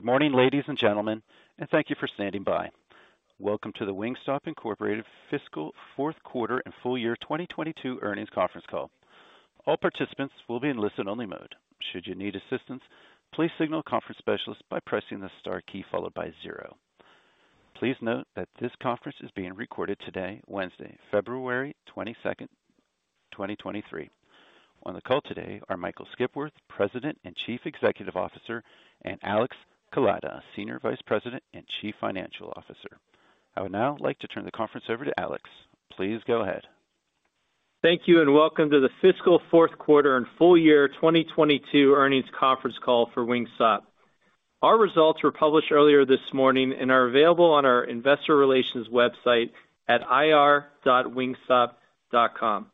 Good morning, ladies and gentlemen, thank you for standing by. Welcome to the Wingstop Inc. Fiscal Q4 and Full Year 2022 Earnings Conference Call. All participants will be in listen-only mode. Should you need assistance, please signal a conference specialist by pressing the star key followed by 0. Please note that this conference is being recorded today, Wednesday, February 22nd, 2023. On the call today are Michael Skipworth, President and Chief Executive Officer, and Alex Kaleida, Senior Vice President and Chief Financial Officer. I would now like to turn the conference over to Alex. Please go ahead. Thank you, and welcome to the fiscal Q4 and full year 2022 earnings conference call for Wingstop. Our results were published earlier this morning and are available on our investor relations website at ir.wingstop.com.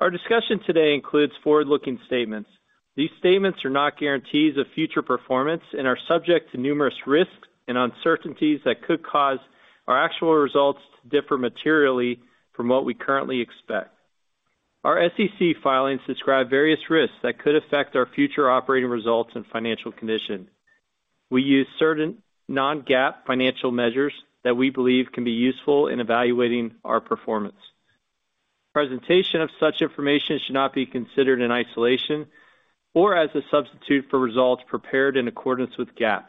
Our discussion today includes forward-looking statements. These statements are not guarantees of future performance and are subject to numerous risks and uncertainties that could cause our actual results to differ materially from what we currently expect. Our SEC filings describe various risks that could affect our future operating results and financial condition. We use certain non-GAAP financial measures that we believe can be useful in evaluating our performance. Presentation of such information should not be considered in isolation or as a substitute for results prepared in accordance with GAAP.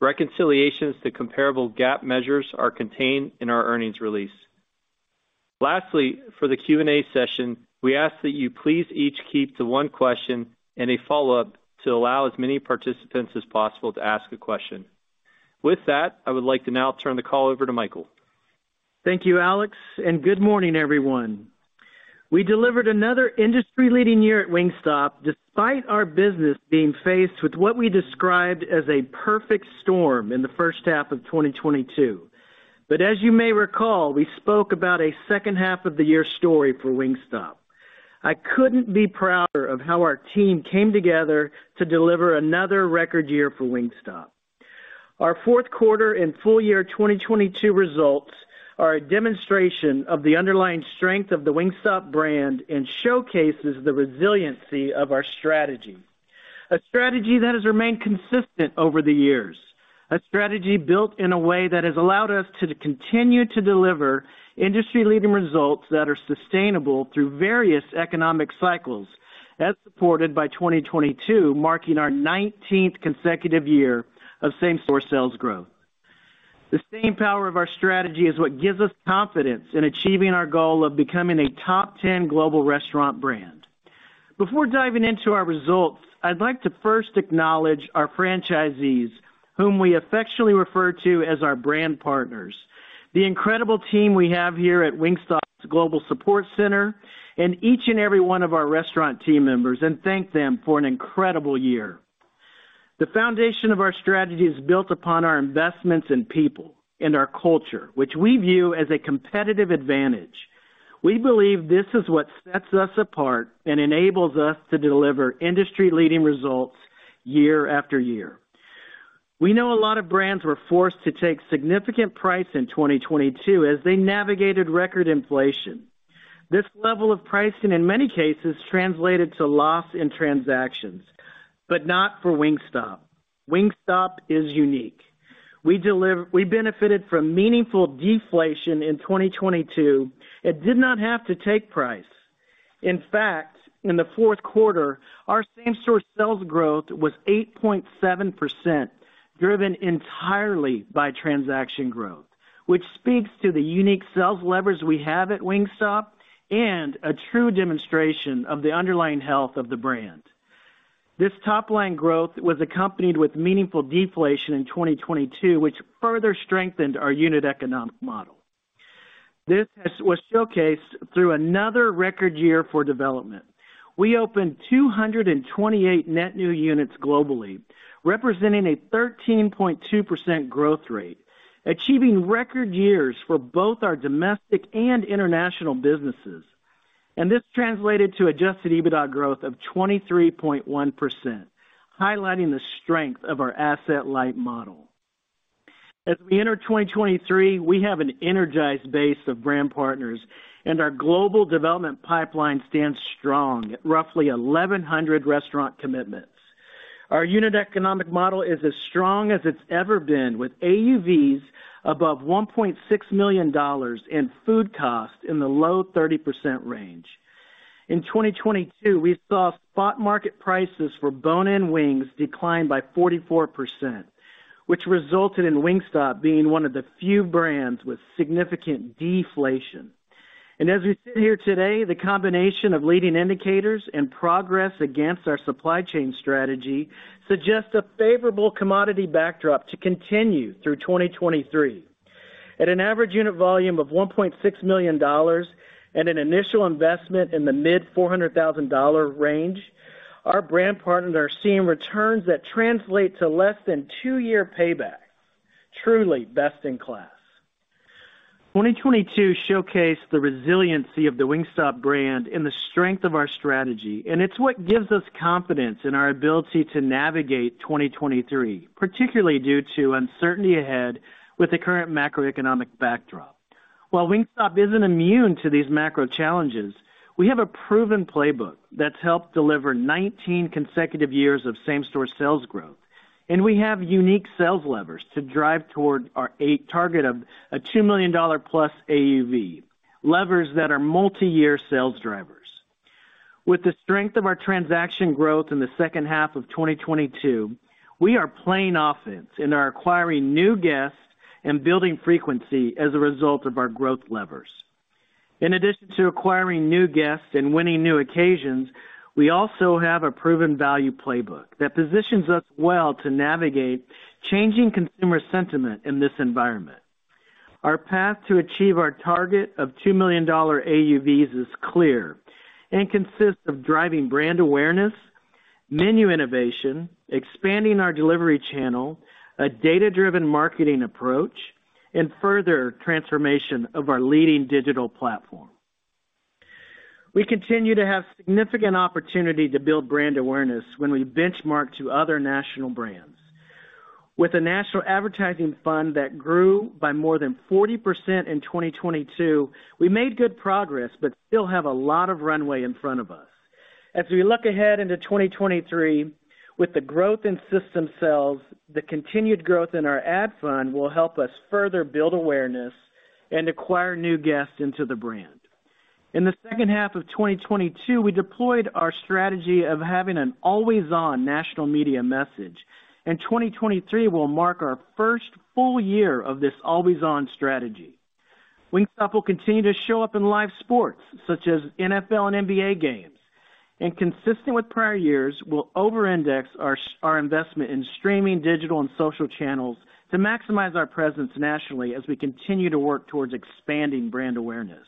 Reconciliations to comparable GAAP measures are contained in our earnings release. Lastly, for the Q&A session, we ask that you please each keep to one question and a follow-up to allow as many participants as possible to ask a question. I would like to now turn the call over to Michael. Thank you, Alex. Good morning, everyone. We delivered another industry-leading year at Wingstop despite our business being faced with what we described as a perfect storm in the H1 of 2022. As you may recall, we spoke about a H2 of the year story for Wingstop. I couldn't be prouder of how our team came together to deliver another record year for Wingstop. Our Q4 and full year 2022 results are a demonstration of the underlying strength of the Wingstop brand and showcases the resiliency of our strategy. A strategy that has remained consistent over the years. A strategy built in a way that has allowed us to continue to deliver industry-leading results that are sustainable through various economic cycles, as supported by 2022 marking our 19th consecutive year of same-store sales growth. The staying power of our strategy is what gives us confidence in achieving our goal of becoming a top 10 global restaurant brand. Before diving into our results, I'd like to first acknowledge our franchisees, whom we affectionately refer to as our brand partners, the incredible team we have here at Wingstop's Global Support Center, and each and every one of our restaurant team members, and thank them for an incredible year. The foundation of our strategy is built upon our investments in people and our culture, which we view as a competitive advantage. We believe this is what sets us apart and enables us to deliver industry-leading results year after year. We know a lot of brands were forced to take significant price in 2022 as they navigated record inflation. This level of pricing, in many cases, translated to loss in transactions, but not for Wingstop. Wingstop is unique. We benefited from meaningful deflation in 2022 and did not have to take price. In the Q4, our same-store sales growth was 8.7%, driven entirely by transaction growth, which speaks to the unique sales leverage we have at Wingstop and a true demonstration of the underlying health of the brand. This top-line growth was accompanied with meaningful deflation in 2022, which further strengthened our unit economic model. This was showcased through another record year for development. We opened 228 net new units globally, representing a 13.2% growth rate, achieving record years for both our domestic and international businesses. This translated to adjusted EBITDA growth of 23.1%, highlighting the strength of our asset-light model. As we enter 2023, we have an energized base of brand partners, and our global development pipeline stands strong at roughly 1,100 restaurant commitments. Our unit economic model is as strong as it's ever been, with AUVs above $1.6 million and food costs in the low 30% range. In 2022, we saw spot market prices for bone-in wings decline by 44%, which resulted in Wingstop being one of the few brands with significant deflation. As we sit here today, the combination of leading indicators and progress against our supply chain strategy suggests a favorable commodity backdrop to continue through 2023. At an average unit volume of $1.6 million and an initial investment in the mid-$400,000 range, our brand partners are seeing returns that translate to less than two-year payback. Truly best in class. 2022 showcased the resiliency of the Wingstop brand and the strength of our strategy, and it's what gives us confidence in our ability to navigate 2023, particularly due to uncertainty ahead with the current macroeconomic backdrop. While Wingstop isn't immune to these macro challenges, we have a proven playbook that's helped deliver 19 consecutive years of same-store sales growth, and we have unique sales levers to drive toward our eight target of a $2 million+ AUV. Levers that are multi-year sales drivers. With the strength of our transaction growth in the second half of 2022, we are playing offense and are acquiring new guests and building frequency as a result of our growth levers. In addition to acquiring new guests and winning new occasions, we also have a proven value playbook that positions us well to navigate changing consumer sentiment in this environment. Our path to achieve our target of $2 million AUVs is clear and consists of driving brand awareness, menu innovation, expanding our delivery channel, a data-driven marketing approach, and further transformation of our leading digital platform. We continue to have significant opportunity to build brand awareness when we benchmark to other national brands. With a national advertising fund that grew by more than 40% in 2022, we made good progress but still have a lot of runway in front of us. As we look ahead into 2023, with the growth in system sales, the continued growth in our ad fund will help us further build awareness and acquire new guests into the brand. In the H2 of 2022, we deployed our strategy of having an always-on national media message, and 2023 will mark our first full year of this always-on strategy. Wingstop will continue to show up in live sports such as NFL and NBA games, consistent with prior years, we'll over-index our investment in streaming, digital, and social channels to maximize our presence nationally as we continue to work towards expanding brand awareness.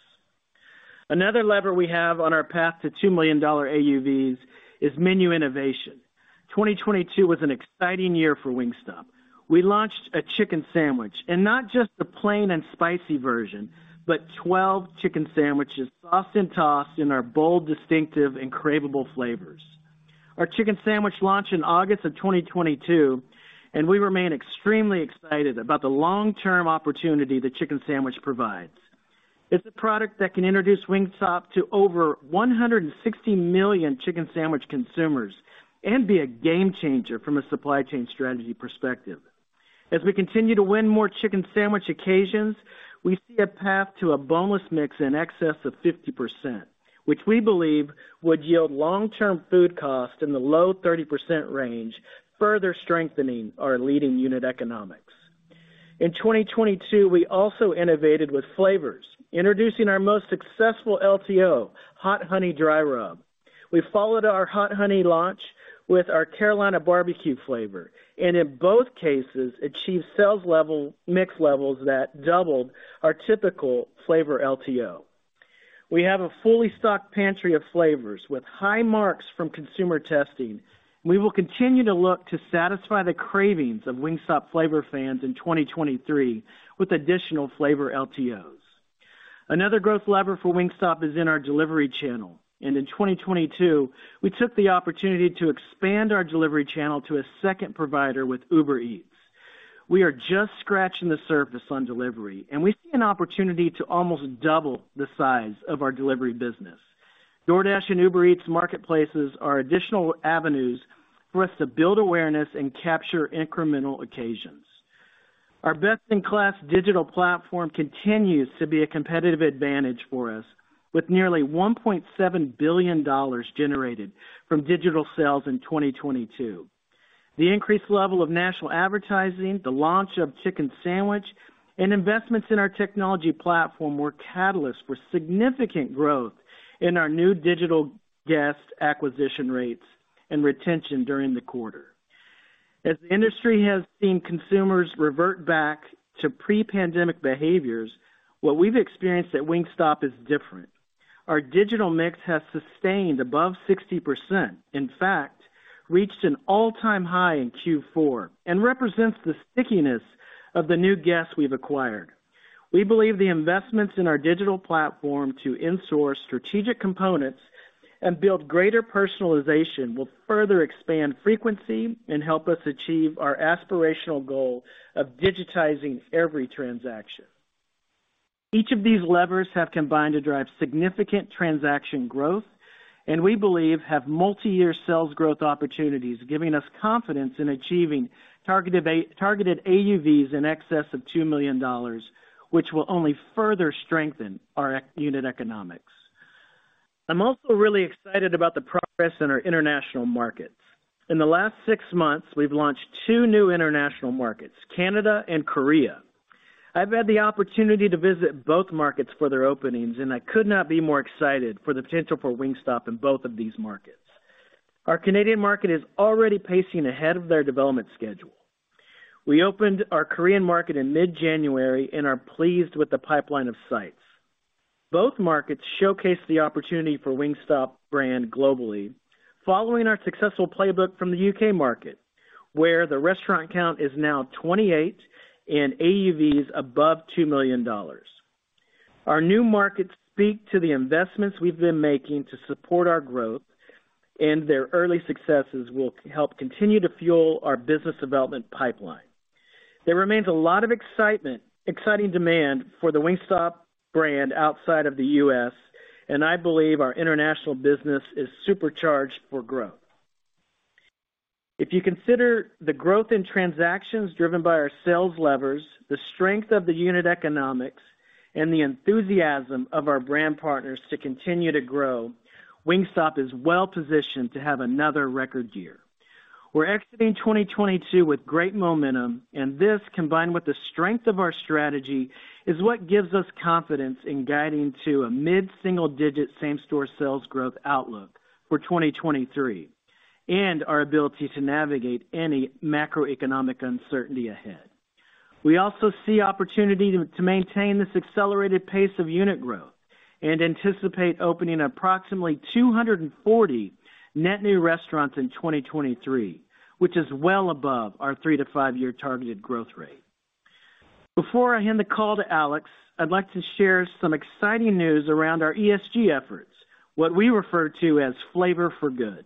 Another lever we have on our path to $2 million AUVs is menu innovation. 2022 was an exciting year for Wingstop. We launched a Chicken Sandwich, not just the plain and spicy version, but 12 Chicken Sandwiches sauced and tossed in our bold, distinctive, and craveable flavors. Our Chicken Sandwich launched in August of 2022, we remain extremely excited about the long-term opportunity the Chicken Sandwich provides. It's a product that can introduce Wingstop to over 160 million Chicken Sandwich consumers and be a game changer from a supply chain strategy perspective. As we continue to win more Chicken Sandwich occasions, we see a path to a boneless mix in excess of 50%, which we believe would yield long-term food costs in the low 30% range, further strengthening our leading unit economics. In 2022, we also innovated with flavors, introducing our most successful LTO, Hot Honey Dry Rub. We followed our Hot Honey launch with our Carolina barbecue flavor, and in both cases, achieved mix levels that doubled our typical flavor LTO. We have a fully stocked pantry of flavors with high marks from consumer testing. We will continue to look to satisfy the cravings of Wingstop flavor fans in 2023 with additional flavor LTOs. Another growth lever for Wingstop is in our delivery channel. In 2022, we took the opportunity to expand our delivery channel to a second provider with Uber Eats. We are just scratching the surface on delivery, we see an opportunity to almost double the size of our delivery business. DoorDash and Uber Eats marketplaces are additional avenues for us to build awareness and capture incremental occasions. Our best-in-class digital platform continues to be a competitive advantage for us with nearly $1.7 billion generated from digital sales in 2022. The increased level of national advertising, the launch of Chicken Sandwich, and investments in our technology platform were catalysts for significant growth in our new digital guest acquisition rates and retention during the quarter. As the industry has seen consumers revert back to pre-pandemic behaviors, what we've experienced at Wingstop is different. Our digital mix has sustained above 60%, in fact, reached an all-time high in Q4, and represents the stickiness of the new guests we've acquired. We believe the investments in our digital platform to in-source strategic components and build greater personalization will further expand frequency and help us achieve our aspirational goal of digitizing every transaction. Each of these levers have combined to drive significant transaction growth and we believe have multi-year sales growth opportunities, giving us confidence in achieving targeted AUVs in excess of $2 million, which will only further strengthen our unit economics. I'm also really excited about the progress in our international markets. In the last six months, we've launched two new international markets, Canada and Korea. I've had the opportunity to visit both markets for their openings, and I could not be more excited for the potential for Wingstop in both of these markets. Our Canadian market is already pacing ahead of their development schedule. We opened our Korean market in mid-January and are pleased with the pipeline of sites. Both markets showcase the opportunity for Wingstop brand globally following our successful playbook from the U.K. market, where the restaurant count is now 28 and AUVs above $2 million. Our new markets speak to the investments we've been making to support our growth. Their early successes will help continue to fuel our business development pipeline. There remains a lot of exciting demand for the Wingstop brand outside of the U.S., and I believe our international business is supercharged for growth. If you consider the growth in transactions driven by our sales levers, the strength of the unit economics, and the enthusiasm of our brand partners to continue to grow, Wingstop is well positioned to have another record year. We're exiting 2022 with great momentum, this, combined with the strength of our strategy, is what gives us confidence in guiding to a mid-single-digit same-store sales growth outlook for 2023 and our ability to navigate any macroeconomic uncertainty ahead. We also see opportunity to maintain this accelerated pace of unit growth and anticipate opening approximately 240 net new restaurants in 2023, which is well above our 3- to 5-year targeted growth rate. Before I hand the call to Alex, I'd like to share some exciting news around our ESG efforts, what we refer to as Flavor for Good.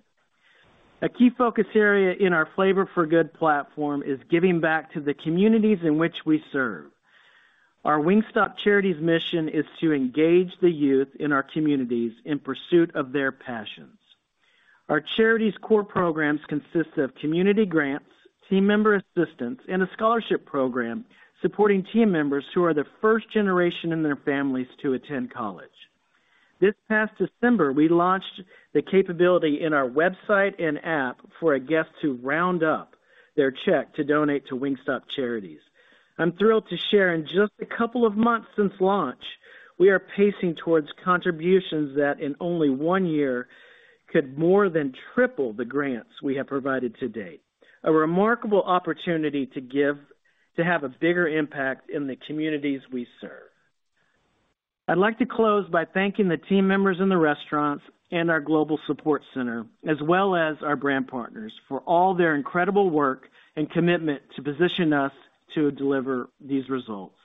A key focus area in our Flavor for Good platform is giving back to the communities in which we serve. Our Wingstop Charities mission is to engage the youth in our communities in pursuit of their passions. Our charity's core programs consist of community grants, team member assistance, and a scholarship program supporting team members who are the first generation in their families to attend college. This past December, we launched the capability in our website and app for a guest to round up their check to donate to Wingstop Charities. I'm thrilled to share in just a couple of months since launch, we are pacing towards contributions that, in only one year, could more than triple the grants we have provided to date. A remarkable opportunity to give to have a bigger impact in the communities we serve. I'd like to close by thanking the team members in the restaurants and our Global Support Center, as well as our brand partners for all their incredible work and commitment to position us to deliver these results.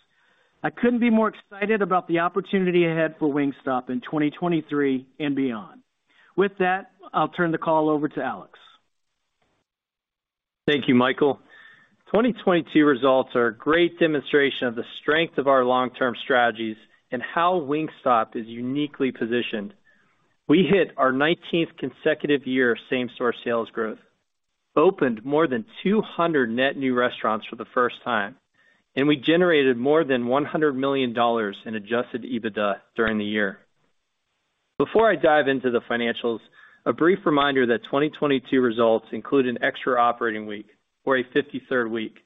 I couldn't be more excited about the opportunity ahead for Wingstop in 2023 and beyond. With that, I'll turn the call over to Alex. Thank you, Michael. 2022 results are a great demonstration of the strength of our long-term strategies and how Wingstop is uniquely positioned. We hit our nineteenth consecutive year of same-store sales growth, opened more than 200 net new restaurants for the first time, and we generated more than $100 million in adjusted EBITDA during the year. Before I dive into the financials, a brief reminder that 2022 results include an extra operating week or a fifty-third week,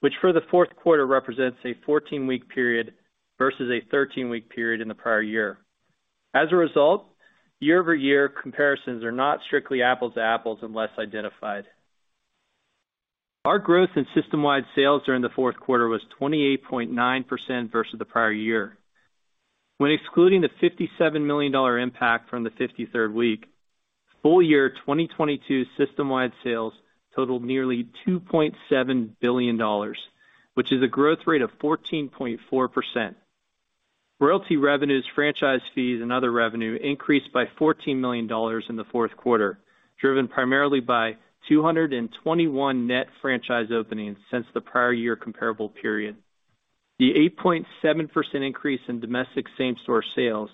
which for the Q4 represents a 14-week period versus a 13-week period in the prior year. Year-over-year comparisons are not strictly apples to apples unless identified. Our growth in system-wide sales during the Q4 was 28.9% versus the prior year. When excluding the $57 million impact from the 53rd week, full year 2022 system-wide sales totaled nearly $2.7 billion, which is a growth rate of 14.4%. Royalty revenues, franchise fees, and other revenue increased by $14 million in the Q4, driven primarily by 221 net franchise openings since the prior year comparable period. The 8.7% increase in domestic same-store sales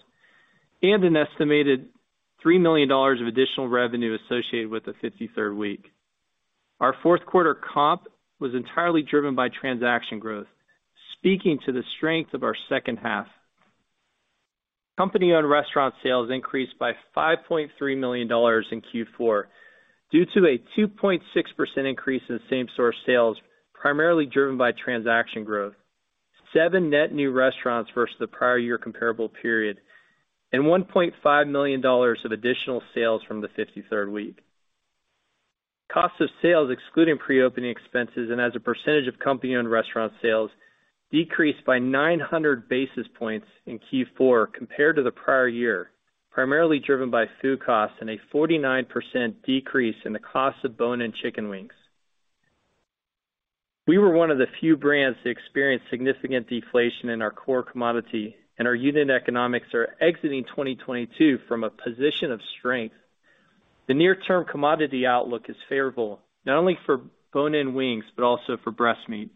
and an estimated $3 million of additional revenue associated with the 53rd week. Our Q4 comp was entirely driven by transaction growth, speaking to the strength of our H2. Company-owned restaurant sales increased by $5.3 million in Q4 due to a 2.6% increase in same-store sales, primarily driven by transaction growth, 7 net new restaurants versus the prior year comparable period, and $1.5 million of additional sales from the 53rd week. Cost of sales excluding pre-opening expenses and as a percentage of company-owned restaurant sales decreased by 900 basis points in Q4 compared to the prior year, primarily driven by food costs and a 49% decrease in the cost of bone-in chicken wings. We were one of the few brands to experience significant deflation in our core commodity. Our unit economics are exiting 2022 from a position of strength. The near-term commodity outlook is favorable, not only for bone-in wings, but also for breast meat.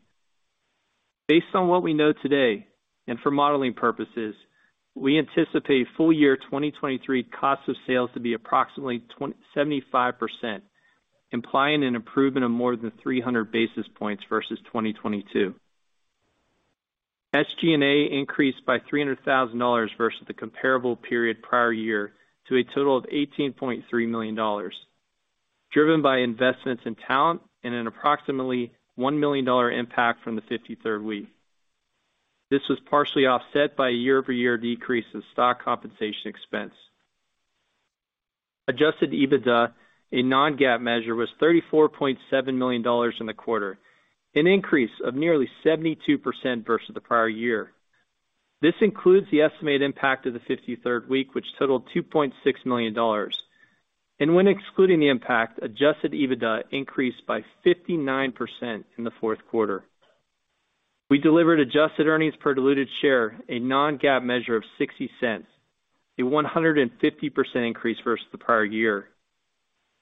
Based on what we know today and for modeling purposes, we anticipate full year 2023 cost of sales to be approximately 75%, implying an improvement of more than 300 basis points versus 2022. SG&A increased by $300,000 versus the comparable period prior year to a total of $18.3 million, driven by investments in talent and an approximately $1 million impact from the 53rd week. This was partially offset by a year-over-year decrease in stock compensation expense. Adjusted EBITDA, a non-GAAP measure, was $34.7 million in the quarter, an increase of nearly 72% versus the prior year. This includes the estimated impact of the 53rd week, which totaled $2.6 million. When excluding the impact, adjusted EBITDA increased by 59% in the Q4. We delivered adjusted earnings per diluted share, a non-GAAP measure of $0.60, a 150% increase versus the prior year.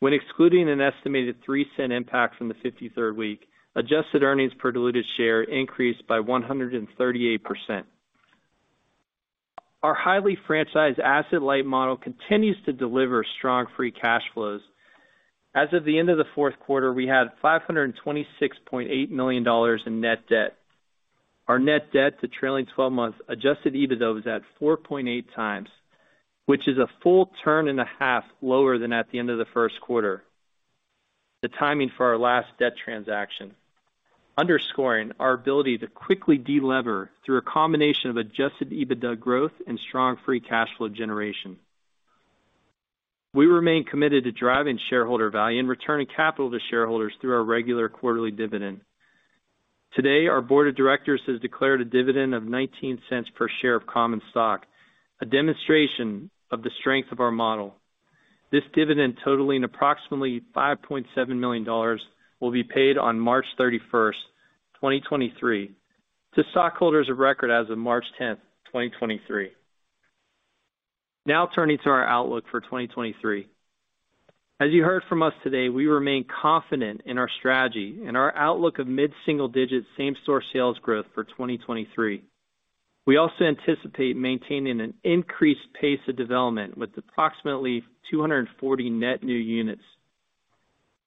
When excluding an estimated $0.03 impact from the 53rd week, adjusted earnings per diluted share increased by 138%. Our highly franchised asset-light model continues to deliver strong free cash flows. As of the end of the Q4, we had $526.8 million in net debt. Our net debt to trailing 12 months adjusted EBITDA was at 4.8 times, which is a full turn and 1.5 lower than at the end of the Q1. The timing for our last debt transaction, underscoring our ability to quickly de-lever through a combination of adjusted EBITDA growth and strong free cash flow generation. We remain committed to driving shareholder value and returning capital to shareholders through our regular quarterly dividend. Today, our board of directors has declared a dividend of $0.19 per share of common stock, a demonstration of the strength of our model. This dividend, totaling approximately $5.7 million, will be paid on March 31, 2023 to stockholders of record as of March 10, 2023. Turning to our outlook for 2023. As you heard from us today, we remain confident in our strategy and our outlook of mid-single digit same-store sales growth for 2023. We also anticipate maintaining an increased pace of development with approximately 240 net new units.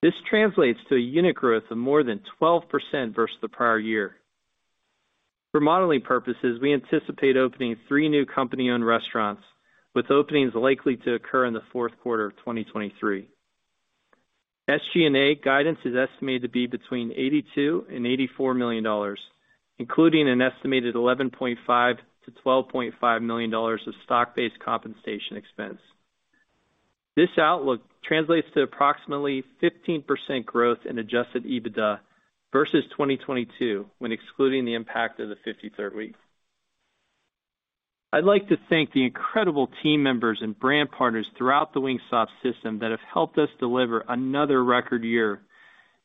This translates to a unit growth of more than 12% versus the prior year. For modeling purposes, we anticipate opening three new company-owned restaurants, with openings likely to occur in the fourth quarter of 2023. SG&A guidance is estimated to be between $82 million and $84 million, including an estimated $11.5 million-$12.5 million of stock-based compensation expense. This outlook translates to approximately 15% growth in adjusted EBITDA versus 2022 when excluding the impact of the 53rd week. I'd like to thank the incredible team members and brand partners throughout the Wingstop system that have helped us deliver another record year.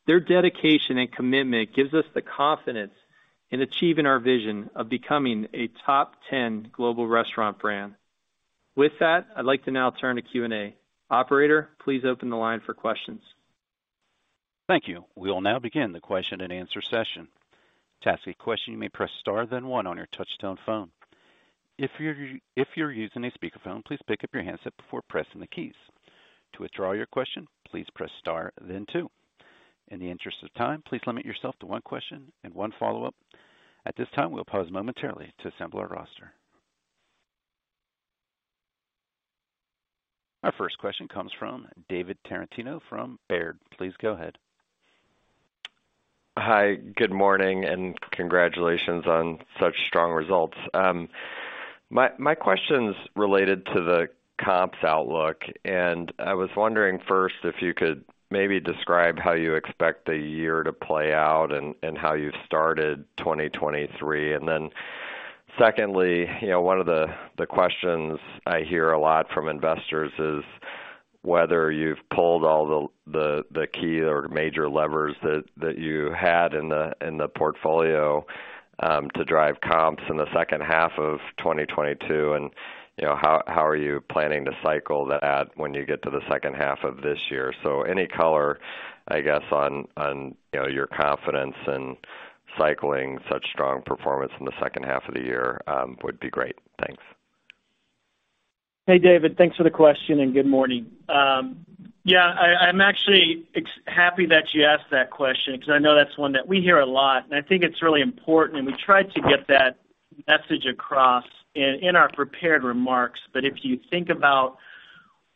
Their dedication and commitment gives us the confidence in achieving our vision of becoming a top 10 global restaurant brand. With that, I'd like to now turn to Q&A. Operator, please open the line for questions. Thank you. We will now begin the question and answer session. To ask a question, you may press star, then one on your touch-tone phone. If you're using a speakerphone, please pick up your handset before pressing the keys. To withdraw your question, please press star then two. In the interest of time, please limit yourself to 1 question and 1 follow-up. At this time, we'll pause momentarily to assemble our roster. Our first question comes from David Tarantino from Baird. Please go ahead. Hi, good morning, and congratulations on such strong results. My question's related to the comps outlook, and I was wondering first if you could maybe describe how you expect the year to play out and how you started 2023. Secondly, you know, one of the questions I hear a lot from investors is whether you've pulled all the key or major levers that you had in the portfolio to drive comps in the H2 of 2022. You know, how are you planning to cycle that when you get to the second half of this year? Any color, I guess, on, you know, your confidence in cycling such strong performance in the H2 of the year, would be great. Thanks. Hey, David. Thanks for the question and good morning. Yeah, I'm actually happy that you asked that question because I know that's one that we hear a lot, and I think it's really important, and we tried to get that message across in our prepared remarks. If you think about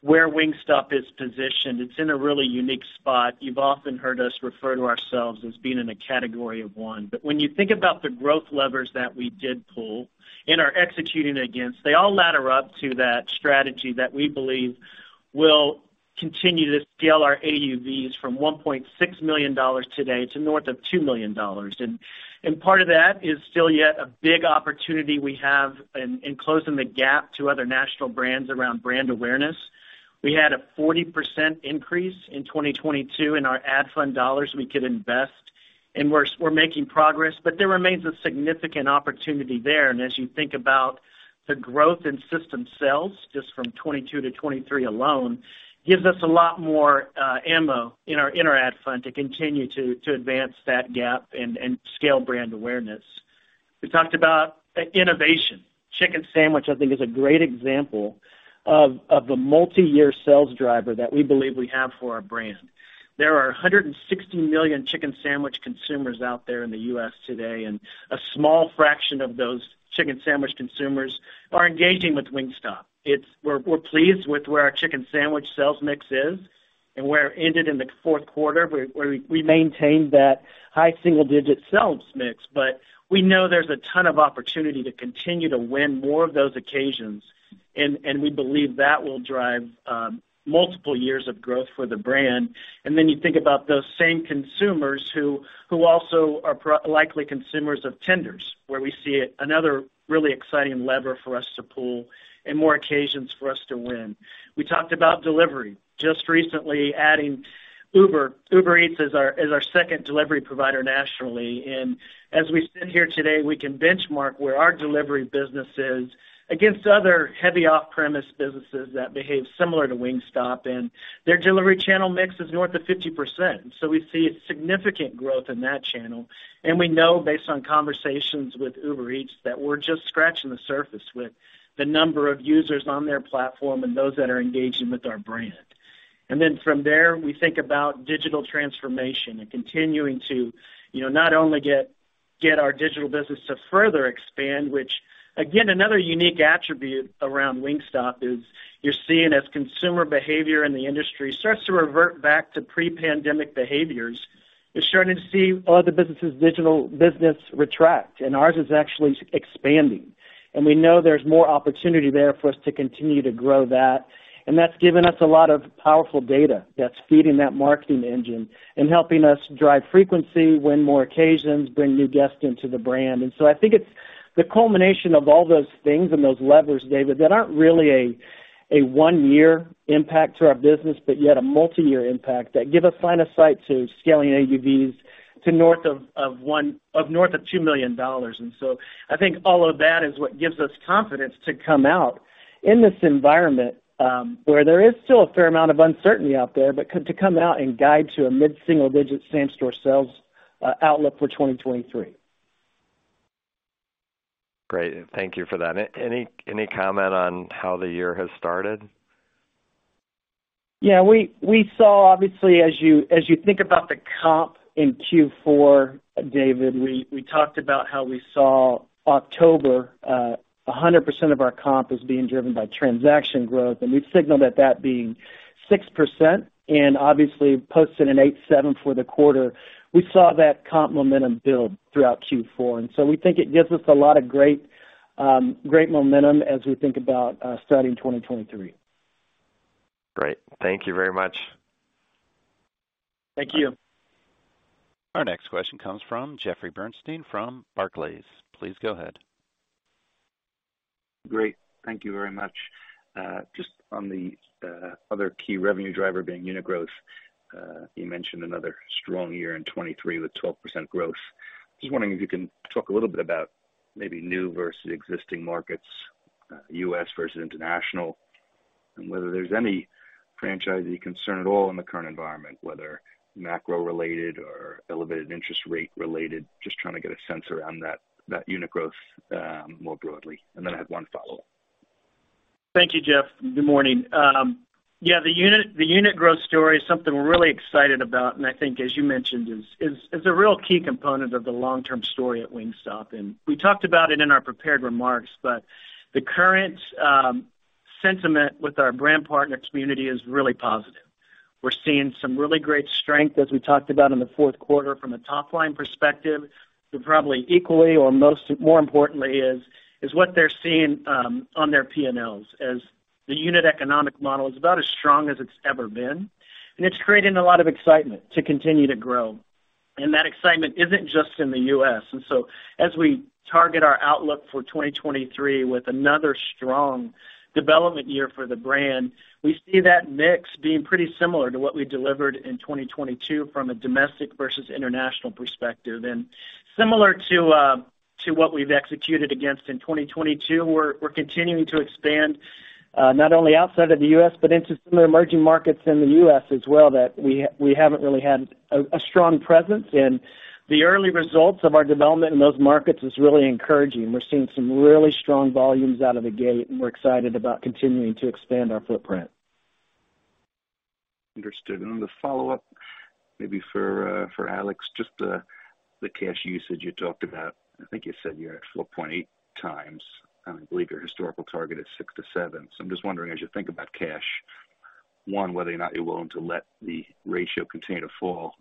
where Wingstop is positioned, it's in a really unique spot. You've often heard us refer to ourselves as being in a category of one. When you think about the growth levers that we did pull and are executing against, they all ladder up to that strategy that we believe will continue to scale our AUVs from $1.6 million today to north of $2 million. And part of that is still yet a big opportunity we have in closing the gap to other national brands around brand awareness. We had a 40% increase in 2022 in our ad fund dollars we could invest, we're making progress, but there remains a significant opportunity there. As you think about the growth in system sales, just from 2022 to 2023 alone, gives us a lot more ammo in our inner ad fund to continue to advance that gap and scale brand awareness. We talked about innovation. Chicken Sandwich, I think, is a great example of a multi-year sales driver that we believe we have for our brand. There are 160 million Chicken Sandwich consumers out there in the US today, a small fraction of those Chicken Sandwich consumers are engaging with Wingstop. We're pleased with where our Chicken Sandwich sales mix is and where it ended in the Q4, where we maintained that high single-digit sales mix. We know there's a ton of opportunity to continue to win more of those occasions. We believe that will drive multiple years of growth for the brand. You think about those same consumers who also are likely consumers of Tenders, where we see another really exciting lever for us to pull and more occasions for us to win. We talked about delivery. Just recently adding Uber Eats as our second delivery provider nationally. As we sit here today, we can benchmark where our delivery business is against other heavy off-premise businesses that behave similar to Wingstop, and their delivery channel mix is north of 50%. We see a significant growth in that channel. We know based on conversations with Uber Eats, that we're just scratching the surface with the number of users on their platform and those that are engaging with our brand. Then from there, we think about digital transformation and continuing to, you know, not only get our digital business to further expand, which again, another unique attribute around Wingstop is you're seeing as consumer behavior in the industry starts to revert back to pre-pandemic behaviors. You're starting to see other businesses, digital business retract, and ours is actually expanding. We know there's more opportunity there for us to continue to grow that. That's given us a lot of powerful data that's feeding that marketing engine and helping us drive frequency, win more occasions, bring new guests into the brand. I think it's the culmination of all those things and those levers, David, that aren't really a one-year impact to our business, but yet a multi-year impact that give us line of sight to scaling AUVs to north of $2 million. I think all of that is what gives us confidence to come out in this environment, where there is still a fair amount of uncertainty out there, but to come out and guide to a mid-single digit same-store sales outlook for 2023. Great. Thank you for that. any comment on how the year has started? Yeah. We saw obviously as you think about the comp in Q4, David, we talked about how we saw October, 100% of our comp as being driven by transaction growth, and we signaled at that being 6% and obviously posted an 8.7% for the quarter. We saw that comp momentum build throughout Q4. We think it gives us a lot of great momentum as we think about starting 2023. Great. Thank you very much. Thank you. Our next question comes from Jeffrey Bernstein from Barclays. Please go ahead. Great. Thank you very much. Just on the other key revenue driver being unit growth, you mentioned another strong year in 2023 with 12% growth. Just wondering if you can talk a little bit about maybe new versus existing markets, U.S. versus international, and whether there's any franchisee concern at all in the current environment, whether macro related or elevated interest rate related. Just trying to get a sense around that unit growth more broadly. Then I have 1 follow-up. Thank you, Jeff. Good morning. Yeah, the unit growth story is something we're really excited about. I think as you mentioned, is a real key component of the long-term story at Wingstop. We talked about it in our prepared remarks. The current sentiment with our brand partner community is really positive. We're seeing some really great strength as we talked about in the fourth quarter from a top line perspective. Probably equally or more importantly is what they're seeing on their P&Ls as the unit economic model is about as strong as it's ever been. It's creating a lot of excitement to continue to grow. That excitement isn't just in the U.S. As we target our outlook for 2023 with another strong development year for the brand, we see that mix being pretty similar to what we delivered in 2022 from a domestic versus international perspective. Similar to what we've executed against in 2022, we're continuing to expand not only outside of the U.S., but into some of the emerging markets in the U.S. as well, that we haven't really had a strong presence. The early results of our development in those markets is really encouraging. We're seeing some really strong volumes out of the gate, and we're excited about continuing to expand our footprint. Understood. The follow-up maybe for Alex Kaleida, just the cash usage you talked about. I think you said you're at 4.8 times, and I believe your historical target is 6-7. I am just wondering, as you think about cash, one, whether or not you're willing to let the ratio continue to fall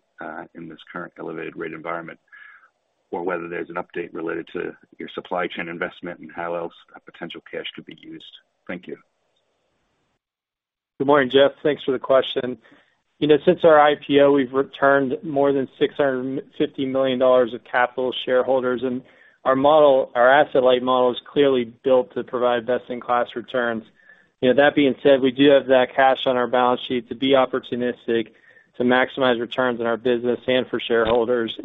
in this current elevated rate environment or whether there's an update related to your supply chain investment and how else that potential cash could be used? Thank you. Good morning, Jeff. Thanks for the question. You know, since our IPO, we've returned more than $650 million of capital to shareholders. Our model, our asset light model is clearly built to provide best in class returns. You know, that being said, we do have that cash on our balance sheet to be opportunistic to maximize returns in our business and for shareholders.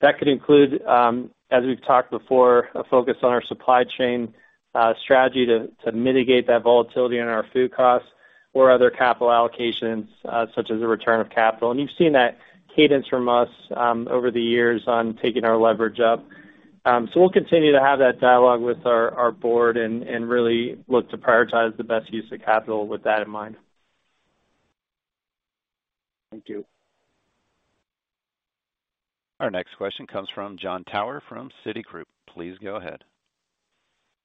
That could include, as we've talked before, a focus on our supply chain strategy to mitigate that volatility in our food costs or other capital allocations, such as a return of capital. You've seen that cadence from us over the years on taking our leverage up. We'll continue to have that dialogue with our board and really look to prioritize the best use of capital with that in mind. Thank you. Our next question comes from Jon Tower from Citigroup. Please go ahead.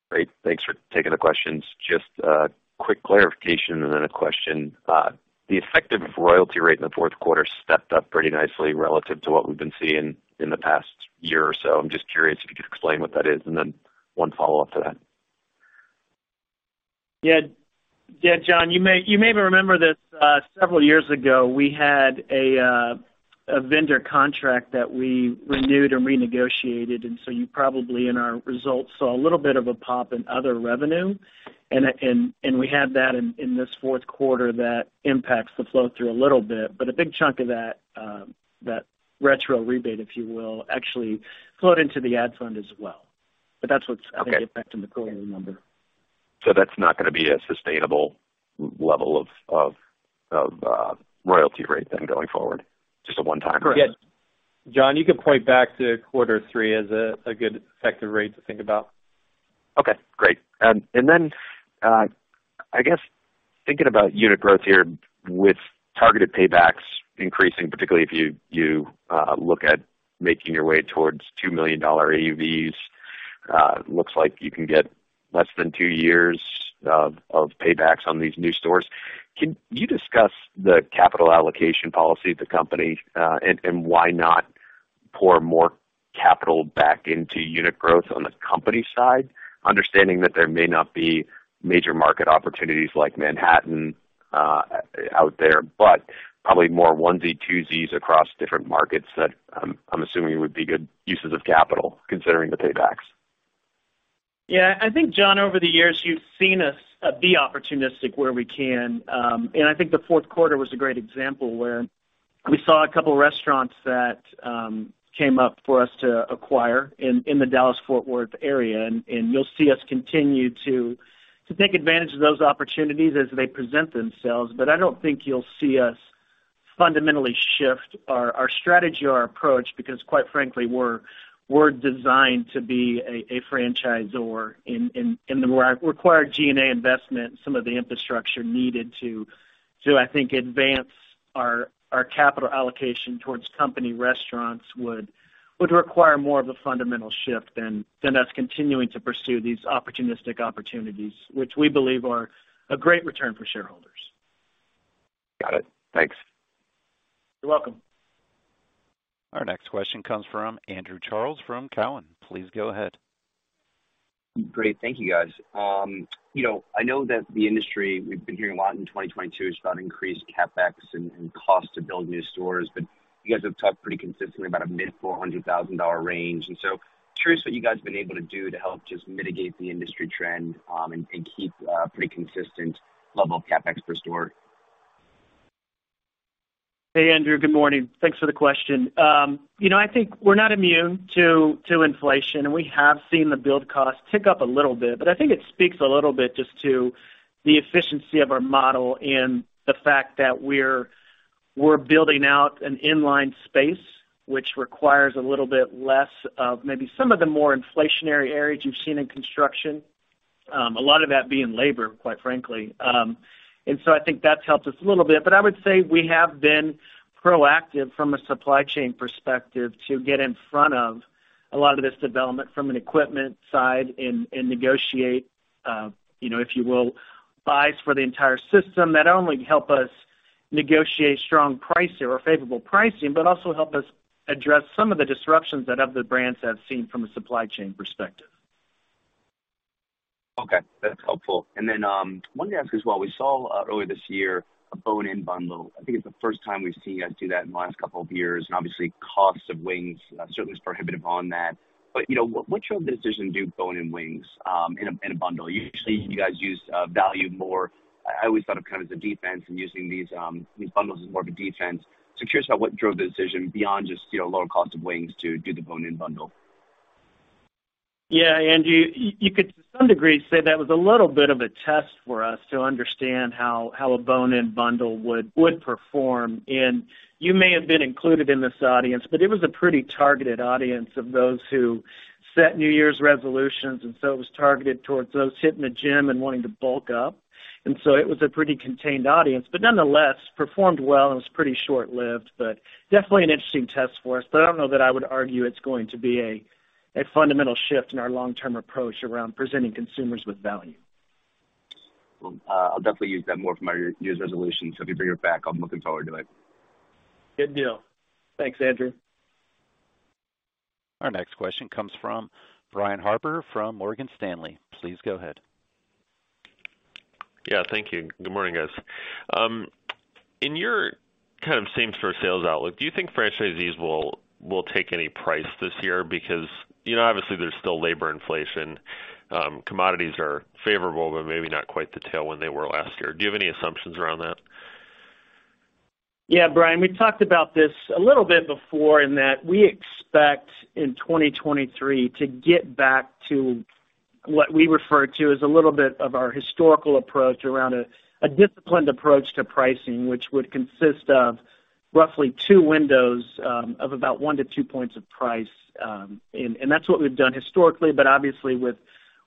Great. Thanks for taking the questions. Just a quick clarification and then a question. The effective royalty rate in the fourth quarter stepped up pretty nicely relative to what we've been seeing in the past year or so. I'm just curious if you could explain what that is, and then one follow-up to that. Yeah. Yeah, Jon, you may remember this, several years ago, we had a vendor contract that we renewed and renegotiated. So you probably, in our results, saw a little bit of a pop in other revenue. We had that in this fourth quarter that impacts the flow through a little bit. A big chunk of that retro rebate, if you will, actually flowed into the ad fund as well. That's what's. Okay. I think, back to the quarterly number. That's not gonna be a sustainable level of royalty rate then going forward, just a one time? Correct. Jon, you can point back to quarter three as a good effective rate to think about. Okay, great. I guess thinking about unit growth here with targeted paybacks increasing, particularly if you look at making your way towards $2 million AUVs, looks like you can get less than 2 years of paybacks on these new stores. Can you discuss the capital allocation policy of the company, and why not pour more capital back into unit growth on the company side? Understanding that there may not be major market opportunities like Manhattan out there, but probably more onesie-twosies across different markets that I'm assuming would be good uses of capital considering the paybacks. Yeah. I think, Jon, over the years, you've seen us be opportunistic where we can. I think the Q4 was a great example where we saw a couple of restaurants that came up for us to acquire in the Dallas-Fort Worth area. You'll see us continue to take advantage of those opportunities as they present themselves. I don't think you'll see us fundamentally shift our strategy or our approach because quite frankly, we're designed to be a franchisor. The required G&A investment, some of the infrastructure needed to, I think, advance our capital allocation towards company restaurants would require more of a fundamental shift than us continuing to pursue these opportunistic opportunities, which we believe are a great return for shareholders. Got it. Thanks. You're welcome. Our next question comes from Andrew Charles from Cowen. Please go ahead. Great. Thank you, guys. you know, I know that the industry we've been hearing a lot in 2022 is about increased CapEx and cost to build new stores, but you guys have talked pretty consistently about a mid $400,000 range. curious what you guys have been able to do to help just mitigate the industry trend, and keep a pretty consistent level of CapEx per store? Hey, Andrew. Good morning. Thanks for the question. you know, I think we're not immune to inflation, and we have seen the build cost tick up a little bit. I think it speaks a little bit just to the efficiency of our model and the fact that we're building out an inline space, which requires a little bit less of maybe some of the more inflationary areas you've seen in construction, a lot of that being labor, quite frankly. I think that's helped us a little bit. I would say we have been proactive from a supply chain perspective to get in front of a lot of this development from an equipment side and negotiate, you know, if you will, buys for the entire system that not only help us negotiate strong pricing or favorable pricing, but also help us address some of the disruptions that other brands have seen from a supply chain perspective. Okay, that's helpful. 1 thing to ask as well, we saw earlier this year a bone-in-bundle. I think it's the first time we've seen you guys do that in the last 2 years. Cost of wings certainly is prohibitive on that. What's your decision to do bone-in wings in a bundle? Usually, you guys use value more. I always thought of kind of the defense and using these bundles as more of a defense. Curious about what drove the decision beyond just, you know, lower cost of wings to do the bone-in bundle. Yeah. You could to some degree say that was a little bit of a test for us to understand how a bone-in bundle would perform. You may have been included in this audience, but it was a pretty targeted audience of those who set New Year's resolutions. It was targeted towards those hitting the gym and wanting to bulk up. It was a pretty contained audience, but nonetheless, performed well and was pretty short-lived. Definitely an interesting test for us, but I don't know that I would argue it's going to be a fundamental shift in our long-term approach around presenting consumers with value. I'll definitely use that more for my New Year's resolutions. If you bring it back, I'll be looking forward to it. Good deal. Thanks, Andrew. Our next question comes from Brian Harbour from Morgan Stanley. Please go ahead. Yeah. Thank you. Good morning, guys. In your kind of same-store sales outlook, do you think franchise fees will take any price this year? You know, obviously there's still labor inflation. Commodities are favorable, maybe not quite the tail when they were last year. Do you have any assumptions around that? Yeah, Brian, we talked about this a little bit before in that we expect in 2023 to get back to what we refer to as a little bit of our historical approach around a disciplined approach to pricing, which would consist of roughly 2 windows of about 1-2 points of price. That's what we've done historically. Obviously with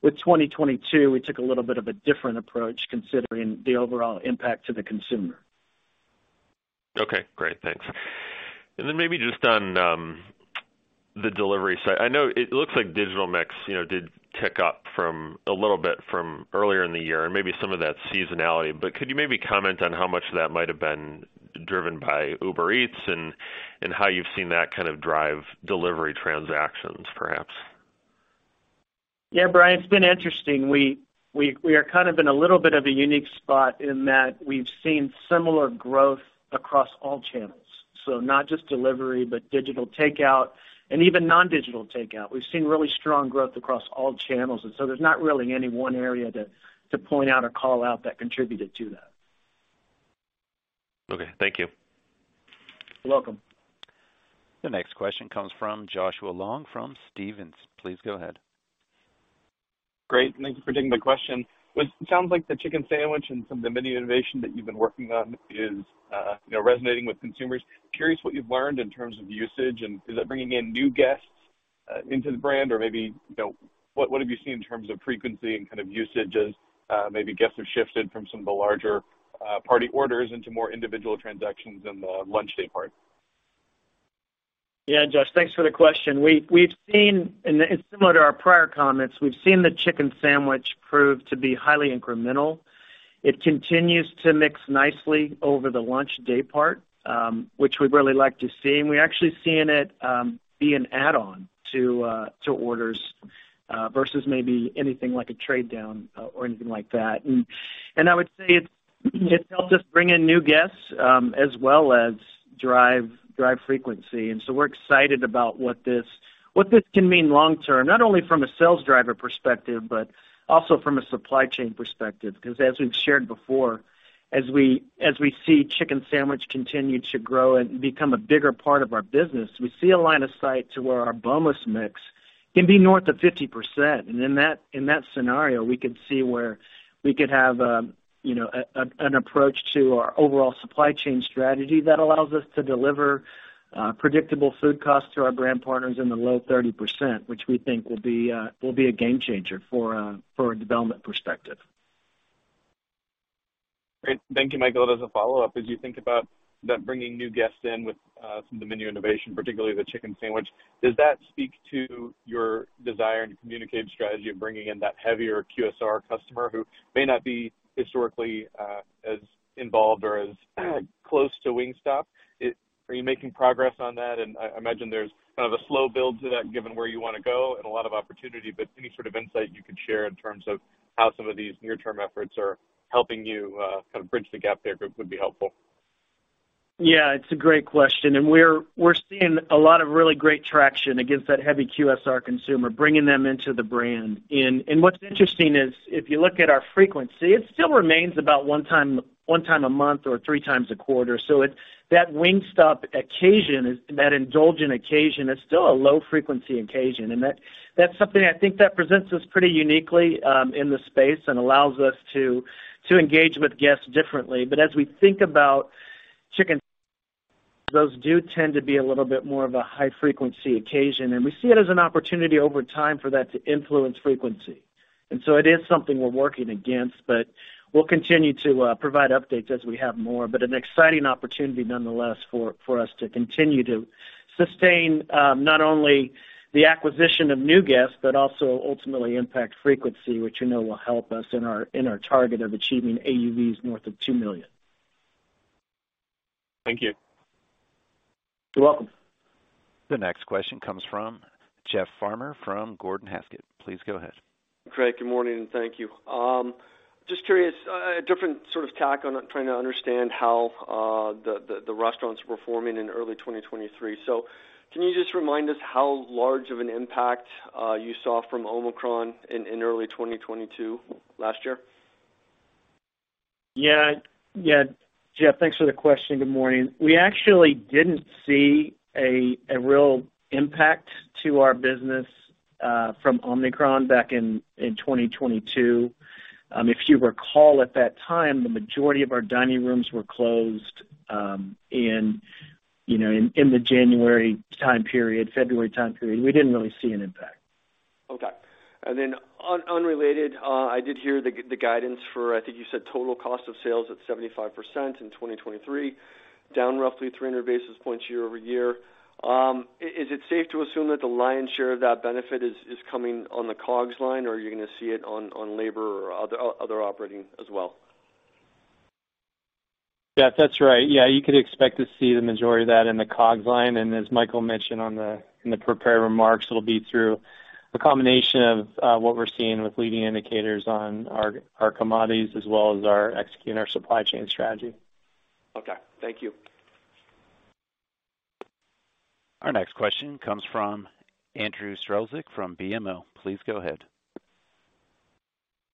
2022, we took a little bit of a different approach considering the overall impact to the consumer. Okay, great. Thanks. Maybe just on the delivery side, I know it looks like digital mix, you know, did tick up from a little bit from earlier in the year and maybe some of that seasonality. Could you maybe comment on how much of that might have been driven by Uber Eats and how you've seen that kind of drive delivery transactions perhaps? Yeah, Brian, it's been interesting. We are kind of in a little bit of a unique spot in that we've seen similar growth across all channels. Not just delivery, but digital takeout and even non-digital takeout. We've seen really strong growth across all channels, there's not really any one area to point out or call out that contributed to that. Okay, thank you. You're welcome. The next question comes from Joshua Long from Stephens. Please go ahead. Great. Thank you for taking my question. It sounds like the Chicken Sandwich and some of the menu innovation that you've been working on is, you know, resonating with consumers. Curious what you've learned in terms of usage, and is that bringing in new guests into the brand? Or maybe, you know, what have you seen in terms of frequency and kind of usages? Maybe guests have shifted from some of the larger party orders into more individual transactions in the launch day part. Yeah, Josh, thanks for the question. We've seen. It's similar to our prior comments. We've seen the Chicken Sandwich prove to be highly incremental. It continues to mix nicely over the launch day part, which we really like to see. We actually seen it, be an add-on to orders versus maybe anything like a trade down or anything like that. I would say it's helped us bring in new guests, as well as drive frequency. We're excited about what this can mean long term, not only from a sales driver perspective, but also from a supply chain perspective. Because as we've shared before, as we see Chicken Sandwich continue to grow and become a bigger part of our business, we see a line of sight to where our boneless mix can be north of 50%. In that scenario, we could see where we could have, you know, an approach to our overall supply chain strategy that allows us to deliver predictable food costs to our brand partners in the low 30%, which we think will be a game changer for a development perspective. Great. Thank you, Michael. As a follow-up, as you think about bringing new guests in with some of the menu innovation, particularly the Chicken Sandwich, does that speak to your desire and communicated strategy of bringing in that heavier QSR customer who may not be historically as involved or as close to Wingstop? Are you making progress on that? I imagine there's kind of a slow build to that, given where you want to go and a lot of opportunity, but any sort of insight you could share in terms of how some of these near-term efforts are helping you kind of bridge the gap there would be helpful. Yeah, it's a great question. What's interesting is if you look at our frequency, it still remains about 1 time a month or 3 times a quarter. That Wingstop occasion is that indulgent occasion is still a low frequency occasion. That's something I think that presents us pretty uniquely in the space and allows us to engage with guests differently. As we think about chicken, those do tend to be a little bit more of a high frequency occasion, and we see it as an opportunity over time for that to influence frequency. It is something we're working against, but we'll continue to provide updates as we have more. An exciting opportunity nonetheless for us to continue to sustain, not only the acquisition of new guests, but also ultimately impact frequency, which you know will help us in our target of achieving AUVs north of $2 million. Thank you. You're welcome. The next question comes from Jeff Farmer from Gordon Haskett. Please go ahead. Great. Good morning, and thank you. Just curious, a different sort of tack on trying to understand how the restaurant's performing in early 2023. Can you just remind us how large of an impact you saw from Omicron in early 2022 last year? Yeah, Jeff, thanks for the question. Good morning. We actually didn't see a real impact to our business from Omicron back in 2022. If you recall at that time, the majority of our dining rooms were closed, you know, in the January time period, February time period. We didn't really see an impact. Okay. Unrelated, I did hear the guidance for, I think you said total cost of sales at 75% in 2023, down roughly 300 basis points year-over-year. Is it safe to assume that the lion's share of that benefit is coming on the COGS line, or are you gonna see it on labor or other operating as well? Yeah, that's right. Yeah, you could expect to see the majority of that in the COGS line. As Michael mentioned in the prepared remarks, it'll be through a combination of what we're seeing with leading indicators on our commodities as well as our executing our supply chain strategy. Okay, thank you. Our next question comes from Andrew Strelzik from BMO. Please go ahead.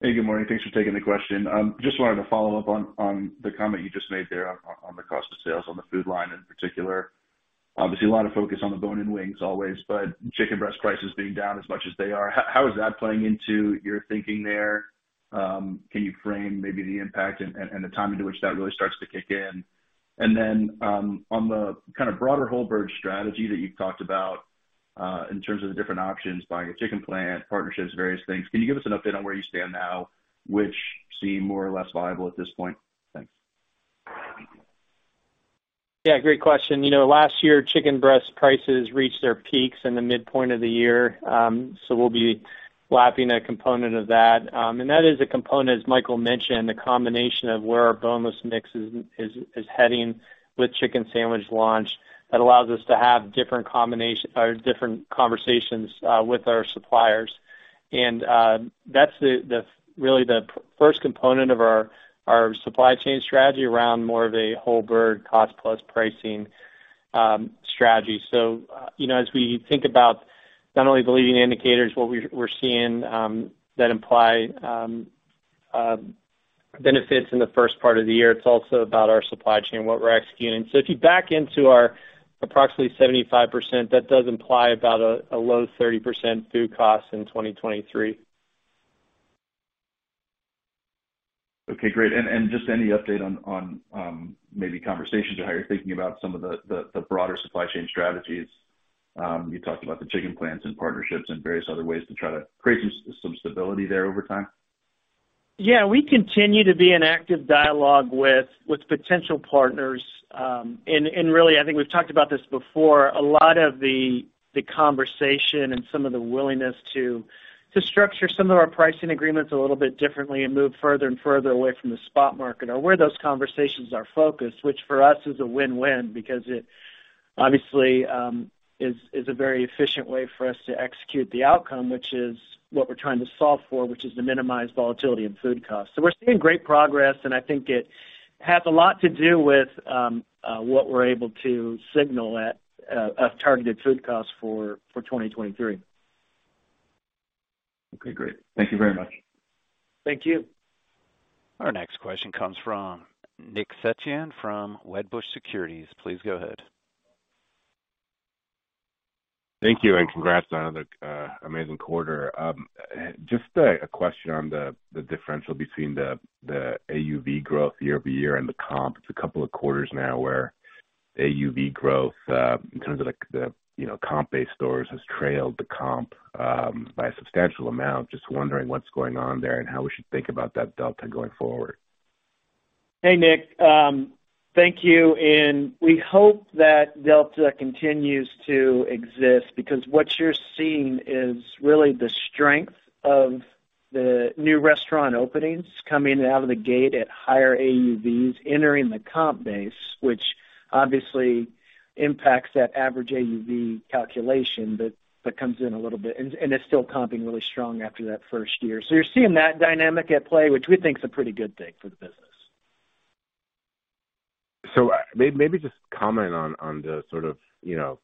Hey, good morning. Thanks for taking the question. Just wanted to follow up on the comment you just made there on the cost of sales on the food line in particular. Obviously, a lot of focus on the bone-in wings always, but chicken breast prices being down as much as they are, how is that playing into your thinking there? Can you frame maybe the impact and the timing to which that really starts to kick in? On the kind of broader whole bird strategy that you've talked about, in terms of the different options, buying a chicken plant, partnerships, various things, can you give us an update on where you stand now, which seem more or less viable at this point? Thanks. Yeah, great question. You know, last year, chicken breast prices reached their peaks in the midpoint of the year. We'll be lapping a component of that. That is a component, as Michael mentioned, the combination of where our boneless mix is heading with Chicken Sandwich launch that allows us to have different combination or different conversations with our suppliers. That's the really the first component of our supply chain strategy around more of a whole bird cost-plus pricing strategy. You know, as we think about not only the leading indicators, what we're seeing that imply benefits in the first part of the year, it's also about our supply chain, what we're executing. If you back into our approximately 75%, that does imply about a low 30% food cost in 2023. Okay, great. Just any update on, maybe conversations or how you're thinking about some of the broader supply chain strategies? You talked about the chicken plants and partnerships and various other ways to try to create some stability there over time. Yeah, we continue to be in active dialogue with potential partners. Really, I think we've talked about this before. A lot of the conversation and some of the willingness to structure some of our pricing agreements a little bit differently and move further and further away from the spot market are where those conversations are focused, which for us is a win-win because it obviously is a very efficient way for us to execute the outcome, which is what we're trying to solve for, which is to minimize volatility in food costs. We're seeing great progress, and I think it has a lot to do with what we're able to signal at of targeted food costs for 2023. Okay, great. Thank you very much. Thank you. Our next question comes from Nick Setyan from Wedbush Securities. Please go ahead. Thank you and congrats on another amazing quarter. Just a question on the AUV growth year-over-year and the comp. It's a couple of quarters now where AUV growth, in terms of like the, you know, comp-based stores has trailed the comp by a substantial amount. Just wondering what's going on there and how we should think about that delta going forward. Hey, Nick. Thank you. We hope that delta continues to exist because what you're seeing is really the strength of the new restaurant openings coming out of the gate at higher AUVs entering the comp base, which obviously impacts that average AUV calculation that comes in a little bit. It's still comping really strong after that first year. You're seeing that dynamic at play, which we think is a pretty good thing for the business. Maybe just comment on the sort of, you know,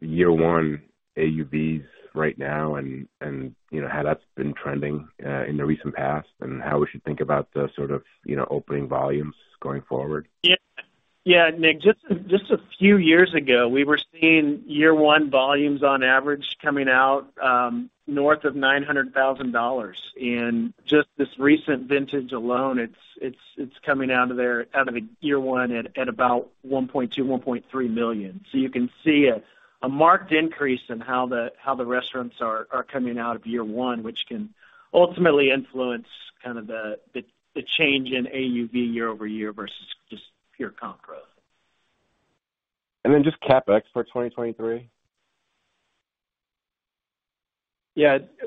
year 1 AUVs right now and, you know, how that's been trending in the recent past and how we should think about the sort of, you know, opening volumes going forward? Yeah. Yeah, Nick, just a few years ago, we were seeing year one volumes on average coming out, north of $900,000. Just this recent vintage alone, it's coming out of there out of the year one at about $1.2 million-$1.3 million. You can see a marked increase in how the restaurants are coming out of year one, which can ultimately influence kind of the change in AUV year-over-year versus just pure comp growth. Just CapEx for 2023.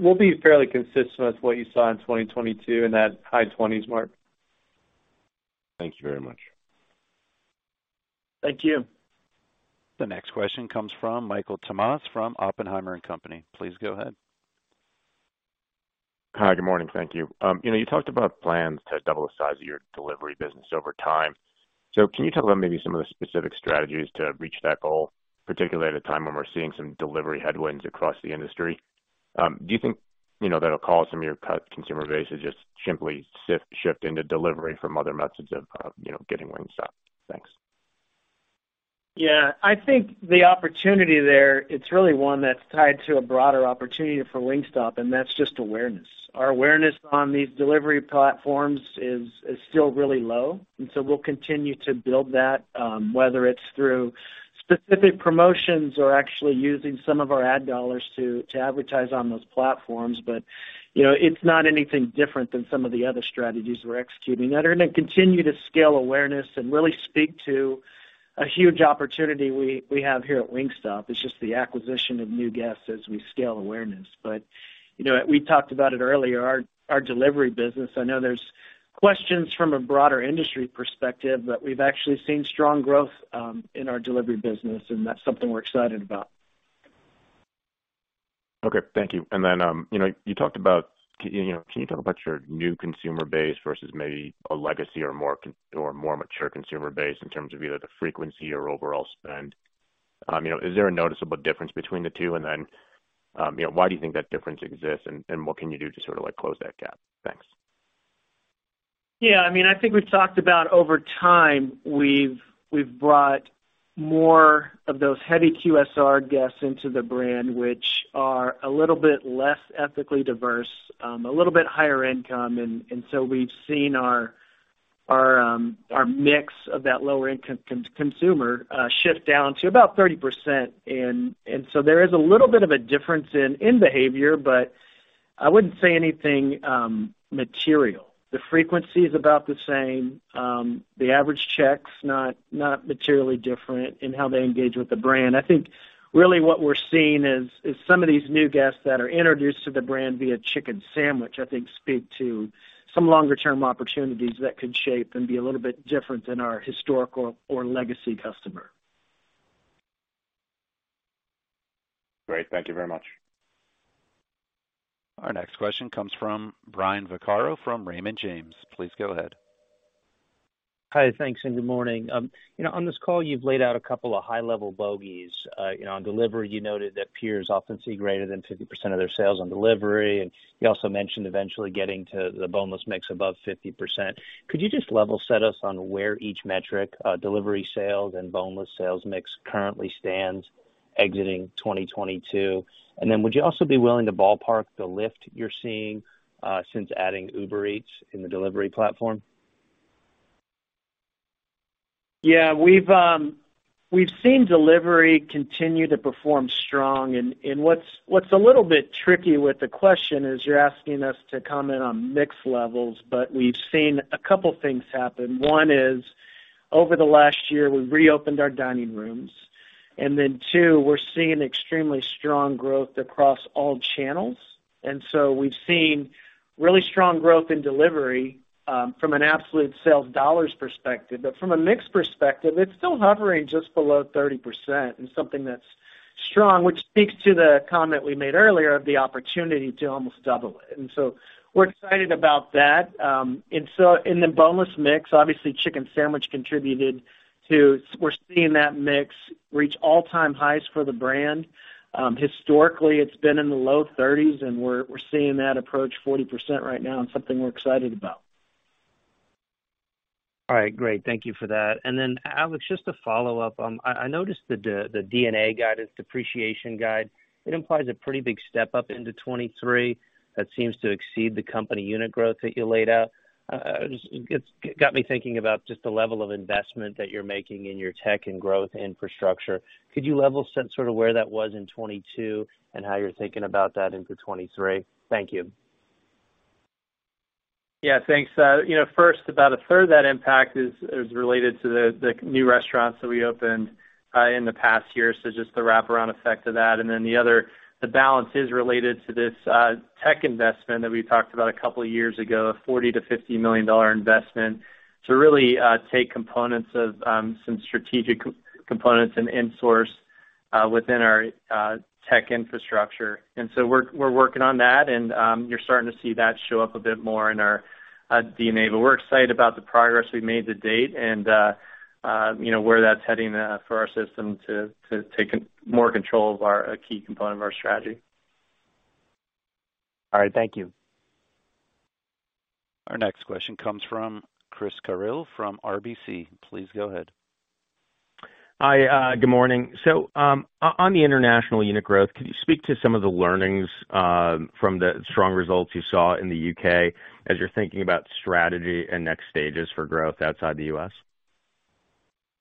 We'll be fairly consistent with what you saw in 2022 in that high twenties mark. Thank you very much. Thank you. The next question comes from Michael Tamas from Oppenheimer & Co. Please go ahead. Hi, good morning. Thank you. you know, you talked about plans to double the size of your delivery business over time. Can you talk about maybe some of the specific strategies to reach that goal, particularly at a time when we're seeing some delivery headwinds across the industry? Do you think, you know, that'll cause some of your consumer base to just simply shift into delivery from other methods of, you know, getting Wingstop? Thanks. I think the opportunity there, it's really one that's tied to a broader opportunity for Wingstop, and that's just awareness. Our awareness on these delivery platforms is still really low, and so we'll continue to build that, whether it's through specific promotions or actually using some of our ad dollars to advertise on those platforms. You know, it's not anything different than some of the other strategies we're executing that are gonna continue to scale awareness and really speak to a huge opportunity we have here at Wingstop. It's just the acquisition of new guests as we scale awareness. You know, we talked about it earlier, our delivery business, I know there's questions from a broader industry perspective, but we've actually seen strong growth in our delivery business, and that's something we're excited about. Okay. Thank you. You know, you talked about, you know, can you talk about your new consumer base versus maybe a legacy or more mature consumer base in terms of either the frequency or overall spend? You know, is there a noticeable difference between the two? You know, why do you think that difference exists? And what can you do to sort of like close that gap? Thanks. Yeah. I mean, I think we've talked about over time, we've brought more of those heavy QSR guests into the brand, which are a little bit less ethnically diverse, a little bit higher income. We've seen our mix of that lower income consumer shift down to about 30%. There is a little bit of a difference in behavior, but I wouldn't say anything material. The frequency is about the same, the average check's not materially different in how they engage with the brand. I think really what we're seeing is some of these new guests that are introduced to the brand via Chicken Sandwich, I think speak to some longer-term opportunities that could shape and be a little bit different than our historical or legacy customer. Great. Thank you very much. Our next question comes from Brian Vaccaro from Raymond James. Please go ahead. Hi. Thanks, and good morning. You know, on this call, you've laid out a couple of high-level bogeys. You know, on delivery, you noted that peers often see greater than 50% of their sales on delivery, and you also mentioned eventually getting to the boneless mix above 50%. Could you just level set us on where each metric, delivery sales and boneless sales mix currently stands exiting 2022? Would you also be willing to ballpark the lift you're seeing since adding Uber Eats in the delivery platform? Yeah. We've seen delivery continue to perform strong. What's a little bit tricky with the question is you're asking us to comment on mix levels, we've seen a couple things happen. One is, over the last year, we've reopened our dining rooms, and then two, we're seeing extremely strong growth across all channels. We've seen really strong growth in delivery from an absolute sales dollars perspective. From a mix perspective, it's still hovering just below 30% and something that's strong, which speaks to the comment we made earlier of the opportunity to almost double it. We're excited about that. The boneless mix, obviously, Chicken Sandwich contributed to. We're seeing that mix reach all-time highs for the brand. Historically, it's been in the low 30s, and we're seeing that approach 40% right now and something we're excited about. All right. Great. Thank you for that. Then, Alex, just to follow up, I noticed that the D&A guidance, depreciation guide, it implies a pretty big step-up into 2023 that seems to exceed the company unit growth that you laid out. It got me thinking about just the level of investment that you're making in your tech and growth infrastructure. Could you level set sort of where that was in 2022 and how you're thinking about that into 2023? Thank you. Yeah. Thanks. You know, first, about a third of that impact is related to the new restaurants that we opened in the past year. Just the wraparound effect of that. The other, the balance is related to this tech investment that we talked about a couple years ago, a $40 million-$50 million investment to really take components of some strategic core components and in-source within our tech infrastructure. We're working on that, and you're starting to see that show up a bit more in our D&A. We're excited about the progress we've made to date and you know, where that's heading for our system to take more control of our key component of our strategy. All right. Thank you. Our next question comes from Christopher Carril from RBC. Please go ahead. Hi. Good morning. On the international unit growth, can you speak to some of the learnings from the strong results you saw in the U.K. as you're thinking about strategy and next stages for growth outside the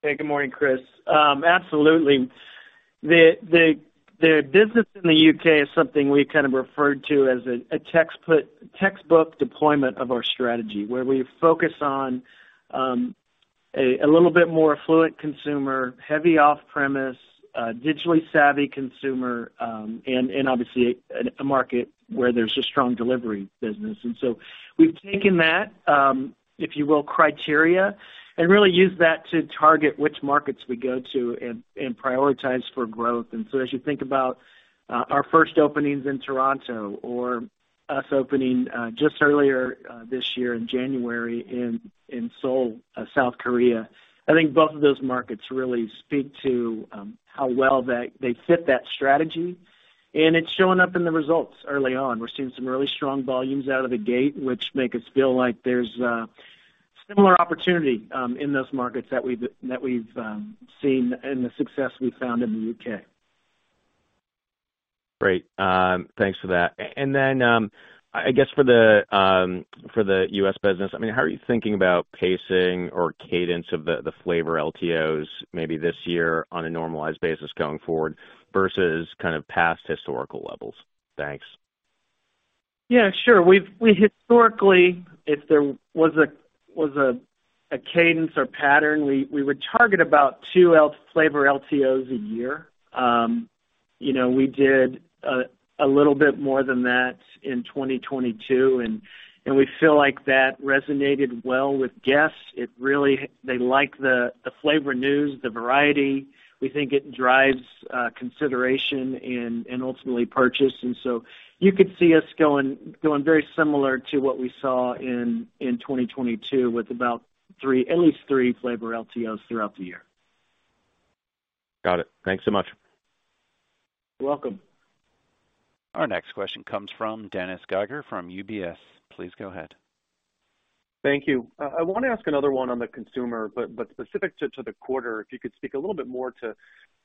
U.S.? Hey, good morning, Chris. Absolutely. The business in the U.K. is something we kind of referred to as a textbook deployment of our strategy, where we focus on a little bit more affluent consumer, heavy off-premise, digitally savvy consumer, and obviously a market where there's a strong delivery business. We've taken that, if you will, criteria and really used that to target which markets we go to and prioritize for growth. As you think about our first openings in Toronto or us opening just earlier this year in January in Seoul, South Korea, I think both of those markets really speak to how well that they fit that strategy, and it's showing up in the results early on. We're seeing some really strong volumes out of the gate, which make us feel like there's similar opportunity in those markets that we've seen and the success we've found in the U.K. Great. Thanks for that. I guess for the U.S. business, I mean, how are you thinking about pacing or cadence of the flavor LTOs maybe this year on a normalized basis going forward versus kind of past historical levels? Thanks. Yeah, sure. We historically, if there was a cadence or pattern, we would target about 2 flavor LTOs a year. you know, we did a little bit more than that in 2022, and we feel like that resonated well with guests. They like the flavor news, the variety. We think it drives consideration and ultimately purchase. So you could see us going very similar to what we saw in 2022 with about 3, at least 3 flavor LTOs throughout the year. Got it. Thanks so much. You're welcome. Our next question comes from Dennis Geiger from UBS. Please go ahead. Thank you. I wanna ask another one on the consumer, but specific to the quarter, if you could speak a little bit more to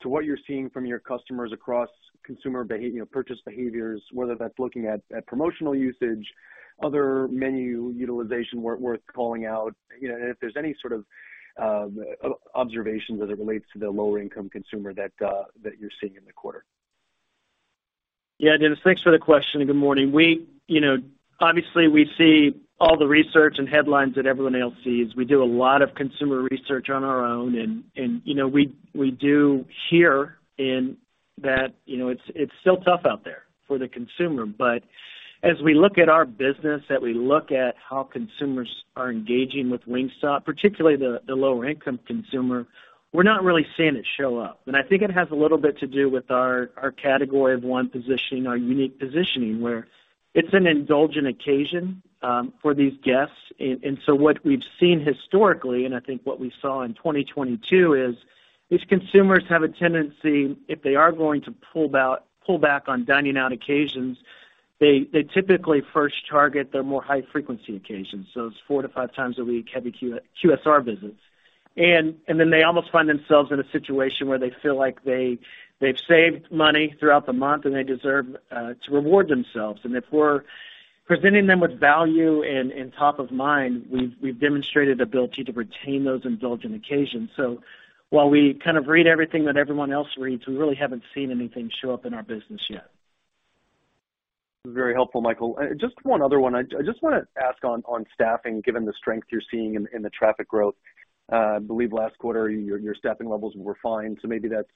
what you're seeing from your customers across consumer you know, purchase behaviors, whether that's looking at promotional usage, other menu utilization worth calling out, you know, and if there's any sort of observation as it relates to the lower income consumer that you're seeing in the quarter? Yeah, Dennis, thanks for the question and good morning. We, you know, obviously, we see all the research and headlines that everyone else sees. We do a lot of consumer research on our own. You know, we do hear in that, you know, it's still tough out there for the consumer. As we look at our business, as we look at how consumers are engaging with Wingstop, particularly the lower income consumer, we're not really seeing it show up. I think it has a little bit to do with our category of one positioning, our unique positioning, where it's an indulgent occasion for these guests. What we've seen historically, and I think what we saw in 2022, is these consumers have a tendency, if they are going to pull back on dining out occasions, they typically first target their more high frequency occasions. It's 4 to 5 times a week, heavy QSR visits. They almost find themselves in a situation where they feel like they've saved money throughout the month and they deserve to reward themselves. If we're presenting them with value in top of mind, we've demonstrated ability to retain those indulgent occasions. While we kind of read everything that everyone else reads, we really haven't seen anything show up in our business yet. Very helpful, Michael. just one other one. I just wanna ask on staffing, given the strength you're seeing in the traffic growth. I believe last quarter your staffing levels were fine, so maybe that's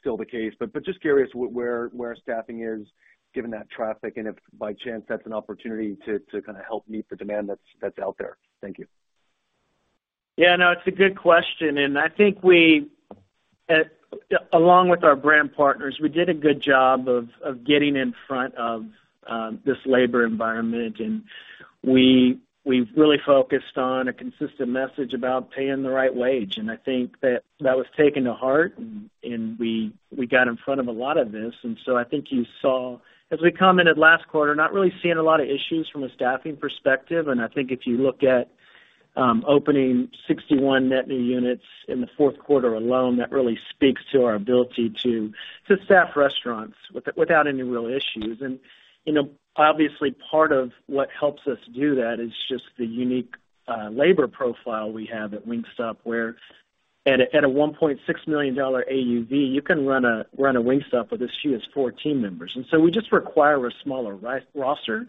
still the case. just curious where staffing is given that traffic and if by chance that's an opportunity to kind of help meet the demand that's out there. Thank you. Yeah. No, it's a good question. I think we, along with our brand partners, we did a good job of getting in front of this labor environment. We've really focused on a consistent message about paying the right wage, and I think that was taken to heart. We got in front of a lot of this. I think you saw, as we commented last quarter, not really seeing a lot of issues from a staffing perspective. I think if you look at opening 61 net new units in the fourth quarter alone, that really speaks to our ability to staff restaurants without any real issues. You know, obviously part of what helps us do that is just the unique labor profile we have at Wingstop. Where at a $1.6 million AUV, you can run a Wingstop with as few as four team members. We just require a smaller roster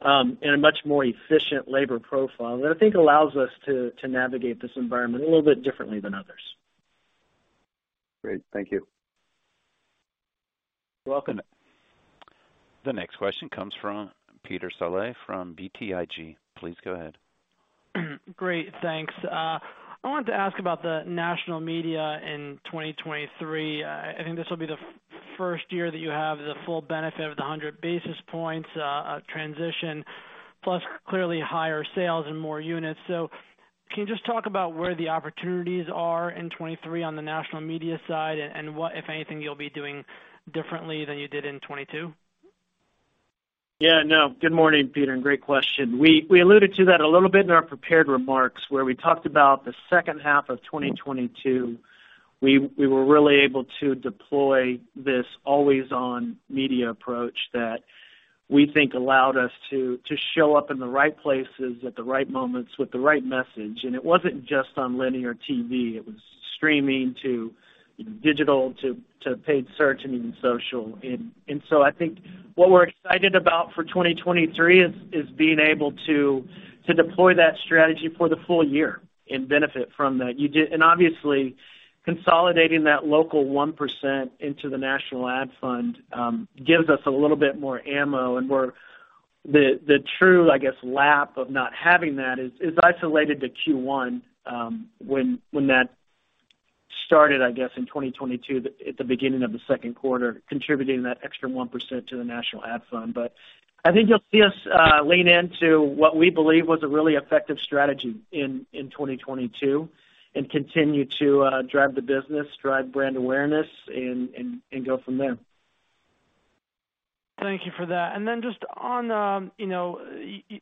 and a much more efficient labor profile that I think allows us to navigate this environment a little bit differently than others. Great. Thank you. You're welcome. The next question comes from Peter Saleh from BTIG. Please go ahead. Great. Thanks. I wanted to ask about the national media in 2023. I think this will be the first year that you have the full benefit of the 100 basis points transition, plus clearly higher sales and more units. Can you just talk about where the opportunities are in 23 on the national media side, and what, if anything, you'll be doing differently than you did in 22? Yeah. No. Good morning, Peter, and great question. We alluded to that a little bit in our prepared remarks, where we talked about the second half of 2022, we were really able to deploy this always on media approach that we think allowed us to show up in the right places at the right moments with the right message. It wasn't just on linear TV, it was streaming to digital, to paid search and even social. I think what we're excited about for 2023 is being able to deploy that strategy for the full year and benefit from that. Obviously consolidating that local 1% into the national ad fund gives us a little bit more ammo. The true, I guess, lap of not having that is isolated to Q1, when that started, I guess in 2022, at the beginning of the Q2, contributing that extra 1% to the national ad fund. I think you'll see us lean into what we believe was a really effective strategy in 2022 and continue to drive the business, drive brand awareness and go from there. Thank you for that. Just on, you know,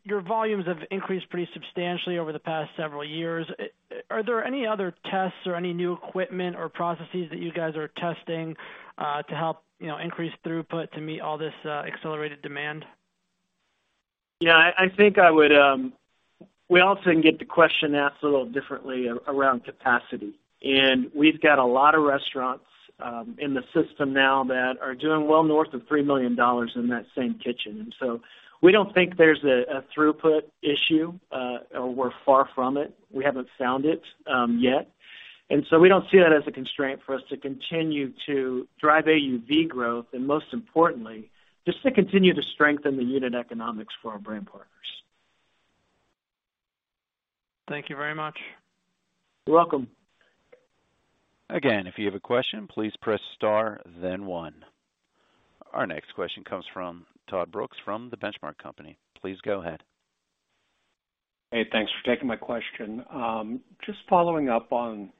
your volumes have increased pretty substantially over the past several years. Are there any other tests or any new equipment or processes that you guys are testing to help, you know, increase throughput to meet all this accelerated demand? Yeah, I think I would. We often get the question asked a little differently around capacity, and we've got a lot of restaurants in the system now that are doing well north of $3 million in that same kitchen. We don't think there's a throughput issue, or we're far from it. We haven't found it yet. We don't see that as a constraint for us to continue to drive AUV growth, and most importantly, just to continue to strengthen the unit economics for our brand partners. Thank you very much. You're welcome. Again, if you have a question, please press star then one. Our next question comes from Todd Brooks from The Benchmark Company. Please go ahead. Hey, thanks for taking my question. Just following up on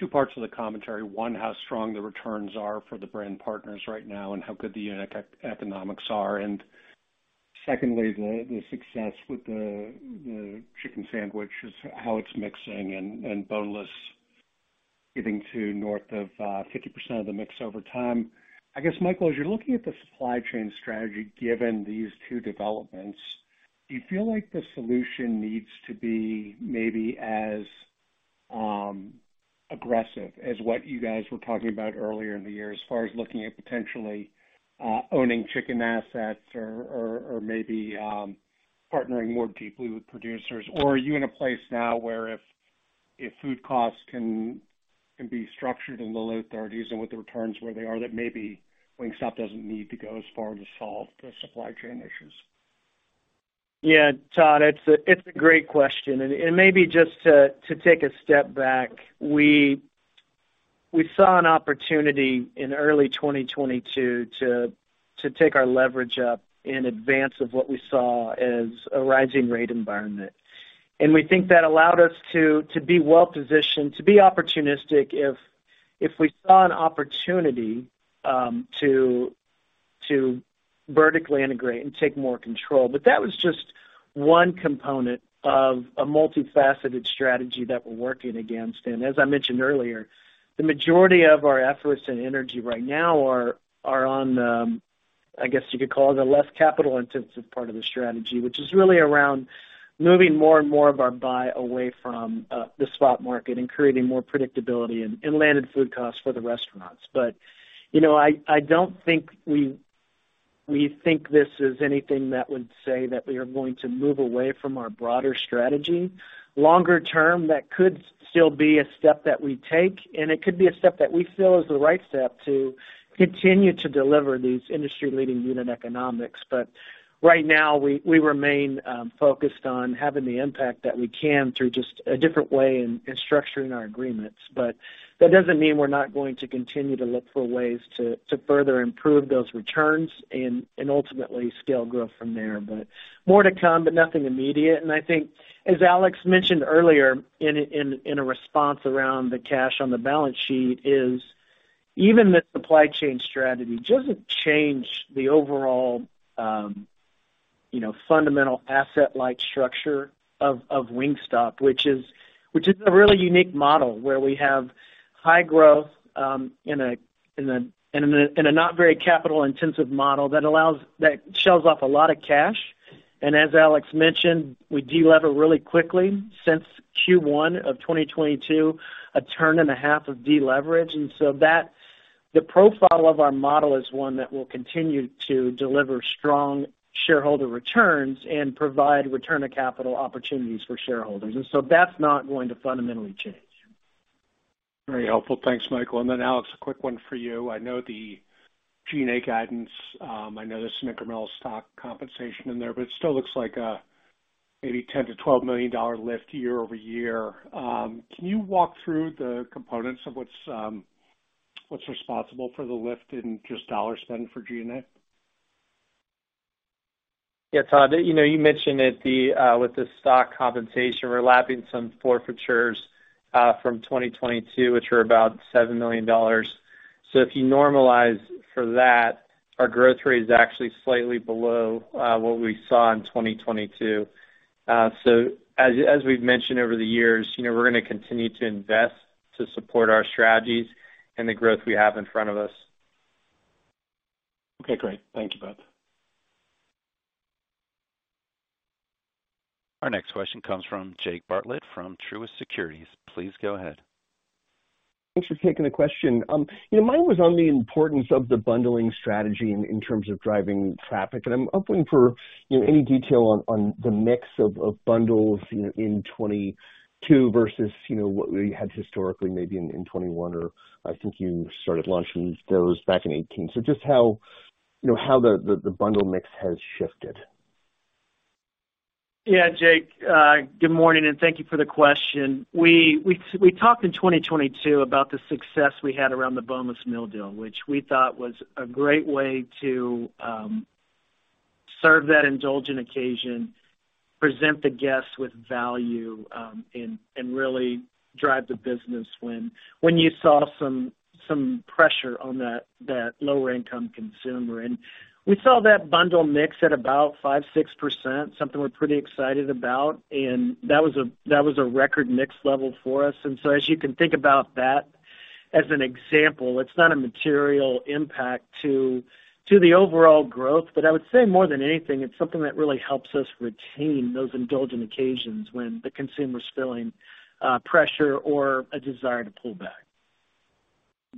two parts of the commentary. One, how strong the returns are for the brand partners right now and how good the unit economics are. Secondly, the success with the Chicken Sandwich is how it's mixing and boneless getting to north of 50% of the mix over time. I guess, Michael, as you're looking at the supply chain strategy, given these two developments, do you feel like the solution needs to be maybe as aggressive as what you guys were talking about earlier in the year as far as looking at potentially, owning chicken assets or maybe, partnering more deeply with producers? Are you in a place now where if food costs can be structured in the low 30s% and with the returns where they are, that maybe Wingstop doesn't need to go as far to solve the supply chain issues? Yeah. Todd, it's a great question, and maybe just to take a step back. We saw an opportunity in early 2022 to take our leverage up in advance of what we saw as a rising rate environment. We think that allowed us to be well positioned, to be opportunistic if we saw an opportunity to vertically integrate and take more control. But that was just one component of a multifaceted strategy that we're working against. As I mentioned earlier, the majority of our efforts and energy right now are on the, I guess you could call it a less capital-intensive part of the strategy, which is really around moving more and more of our buy away from the spot market and creating more predictability and landed food costs for the restaurants. You know, I don't think we think this is anything that would say that we are going to move away from our broader strategy. Longer term, that could still be a step that we take, and it could be a step that we feel is the right step to continue to deliver these industry-leading unit economics. Right now, we remain focused on having the impact that we can through just a different way in structuring our agreements. That doesn't mean we're not going to continue to look for ways to further improve those returns and ultimately scale growth from there. More to come, but nothing immediate. I think as Alex mentioned earlier in a response around the cash on the balance sheet, is even the supply chain strategy doesn't change the overall, you know, fundamental asset-light structure of Wingstop, which is a really unique model where we have high growth in a not very capital-intensive model that shoves off a lot of cash. As Alex mentioned, we de-lever really quickly since Q1 of 2022, a turn and a half of deleverage. The profile of our model is one that will continue to deliver strong shareholder returns and provide return of capital opportunities for shareholders. That's not going to fundamentally change. Very helpful. Thanks, Michael. Alex, a quick one for you. I know the G&A guidance, I know there's some incremental stock compensation in there, but it still looks like, maybe $10 million-$12 million lift year-over-year. Can you walk through the components of what's responsible for the lift in just dollar spend for G&A? Yeah. Todd, you know, you mentioned at the with the stock compensation, we're lapping some forfeitures from 2022, which are about $7 million. If you normalize for that, our growth rate is actually slightly below what we saw in 2022. As we've mentioned over the years, you know, we're gonna continue to invest to support our strategies and the growth we have in front of us. Okay, great. Thank you, both. Our next question comes from Jake Bartlett from Truist Securities. Please go ahead. Thanks for taking the question. You know, mine was on the importance of the bundling strategy in terms of driving traffic, and I'm hoping for, you know, any detail on the mix of bundles, you know, in 2022 versus, you know, what we had historically maybe in 2021 or I think you started launching those back in 2018. Just how, you know, how the bundle mix has shifted. Jake, good morning, and thank you for the question. We talked in 2022 about the success we had around the Boneless Meal Deal, which we thought was a great way to serve that indulgent occasion, present the guests with value, and really drive the business when you saw some pressure on that lower income consumer. We saw that bundle mix at about 5%-6%, something we're pretty excited about. That was a record mix level for us. As you can think about that as an example, it's not a material impact to the overall growth. I would say more than anything, it's something that really helps us retain those indulgent occasions when the consumer's feeling pressure or a desire to pull back.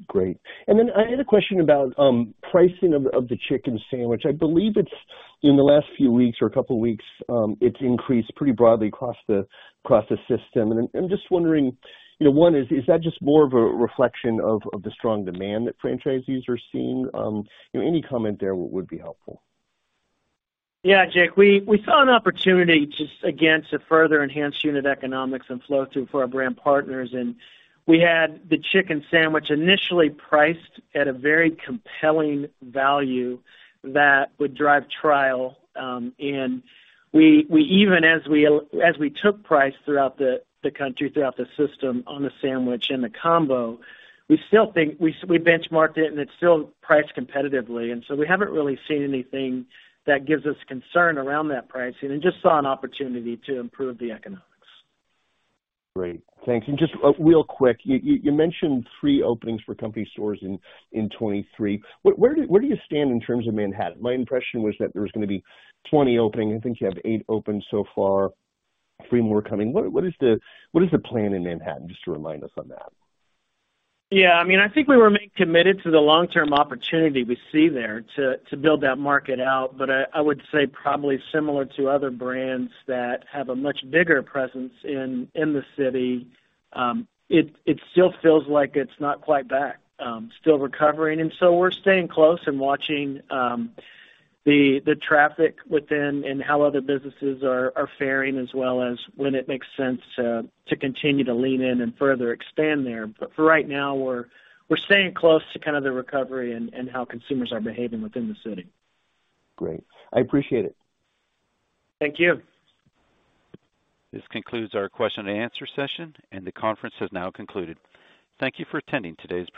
Great. I had a question about pricing of the Chicken Sandwich. I believe it's in the last few weeks or a couple of weeks, it's increased pretty broadly across the system. I'm just wondering, you know, one is that just more of a reflection of the strong demand that franchisees are seeing? Any comment there would be helpful? Yeah. Jake, we saw an opportunity just again to further enhance unit economics and flow through for our brand partners. We had the Chicken Sandwich initially priced at a very compelling value that would drive trial. We even as we took price throughout the country, throughout the system on the Chicken Sandwich and the combo, we still think we benchmarked it and it's still priced competitively, and so we haven't really seen anything that gives us concern around that pricing and just saw an opportunity to improve the economics. Great. Thanks. Just real quick, you mentioned 3 openings for company stores in 2023. Where do you stand in terms of Manhattan? My impression was that there was gonna be 20 opening. I think you have 8 open so far, 3 more coming. What is the plan in Manhattan, just to remind us on that? Yeah. I mean, I think we remain committed to the long-term opportunity we see there to build that market out. I would say probably similar to other brands that have a much bigger presence in the city, it still feels like it's not quite back, still recovering. We're staying close and watching the traffic within and how other businesses are faring, as well as when it makes sense to continue to lean in and further expand there. For right now, we're staying close to kind of the recovery and how consumers are behaving within the city. Great. I appreciate it. Thank you. This concludes our question and answer session, and the conference has now concluded. Thank you for attending today's presentation.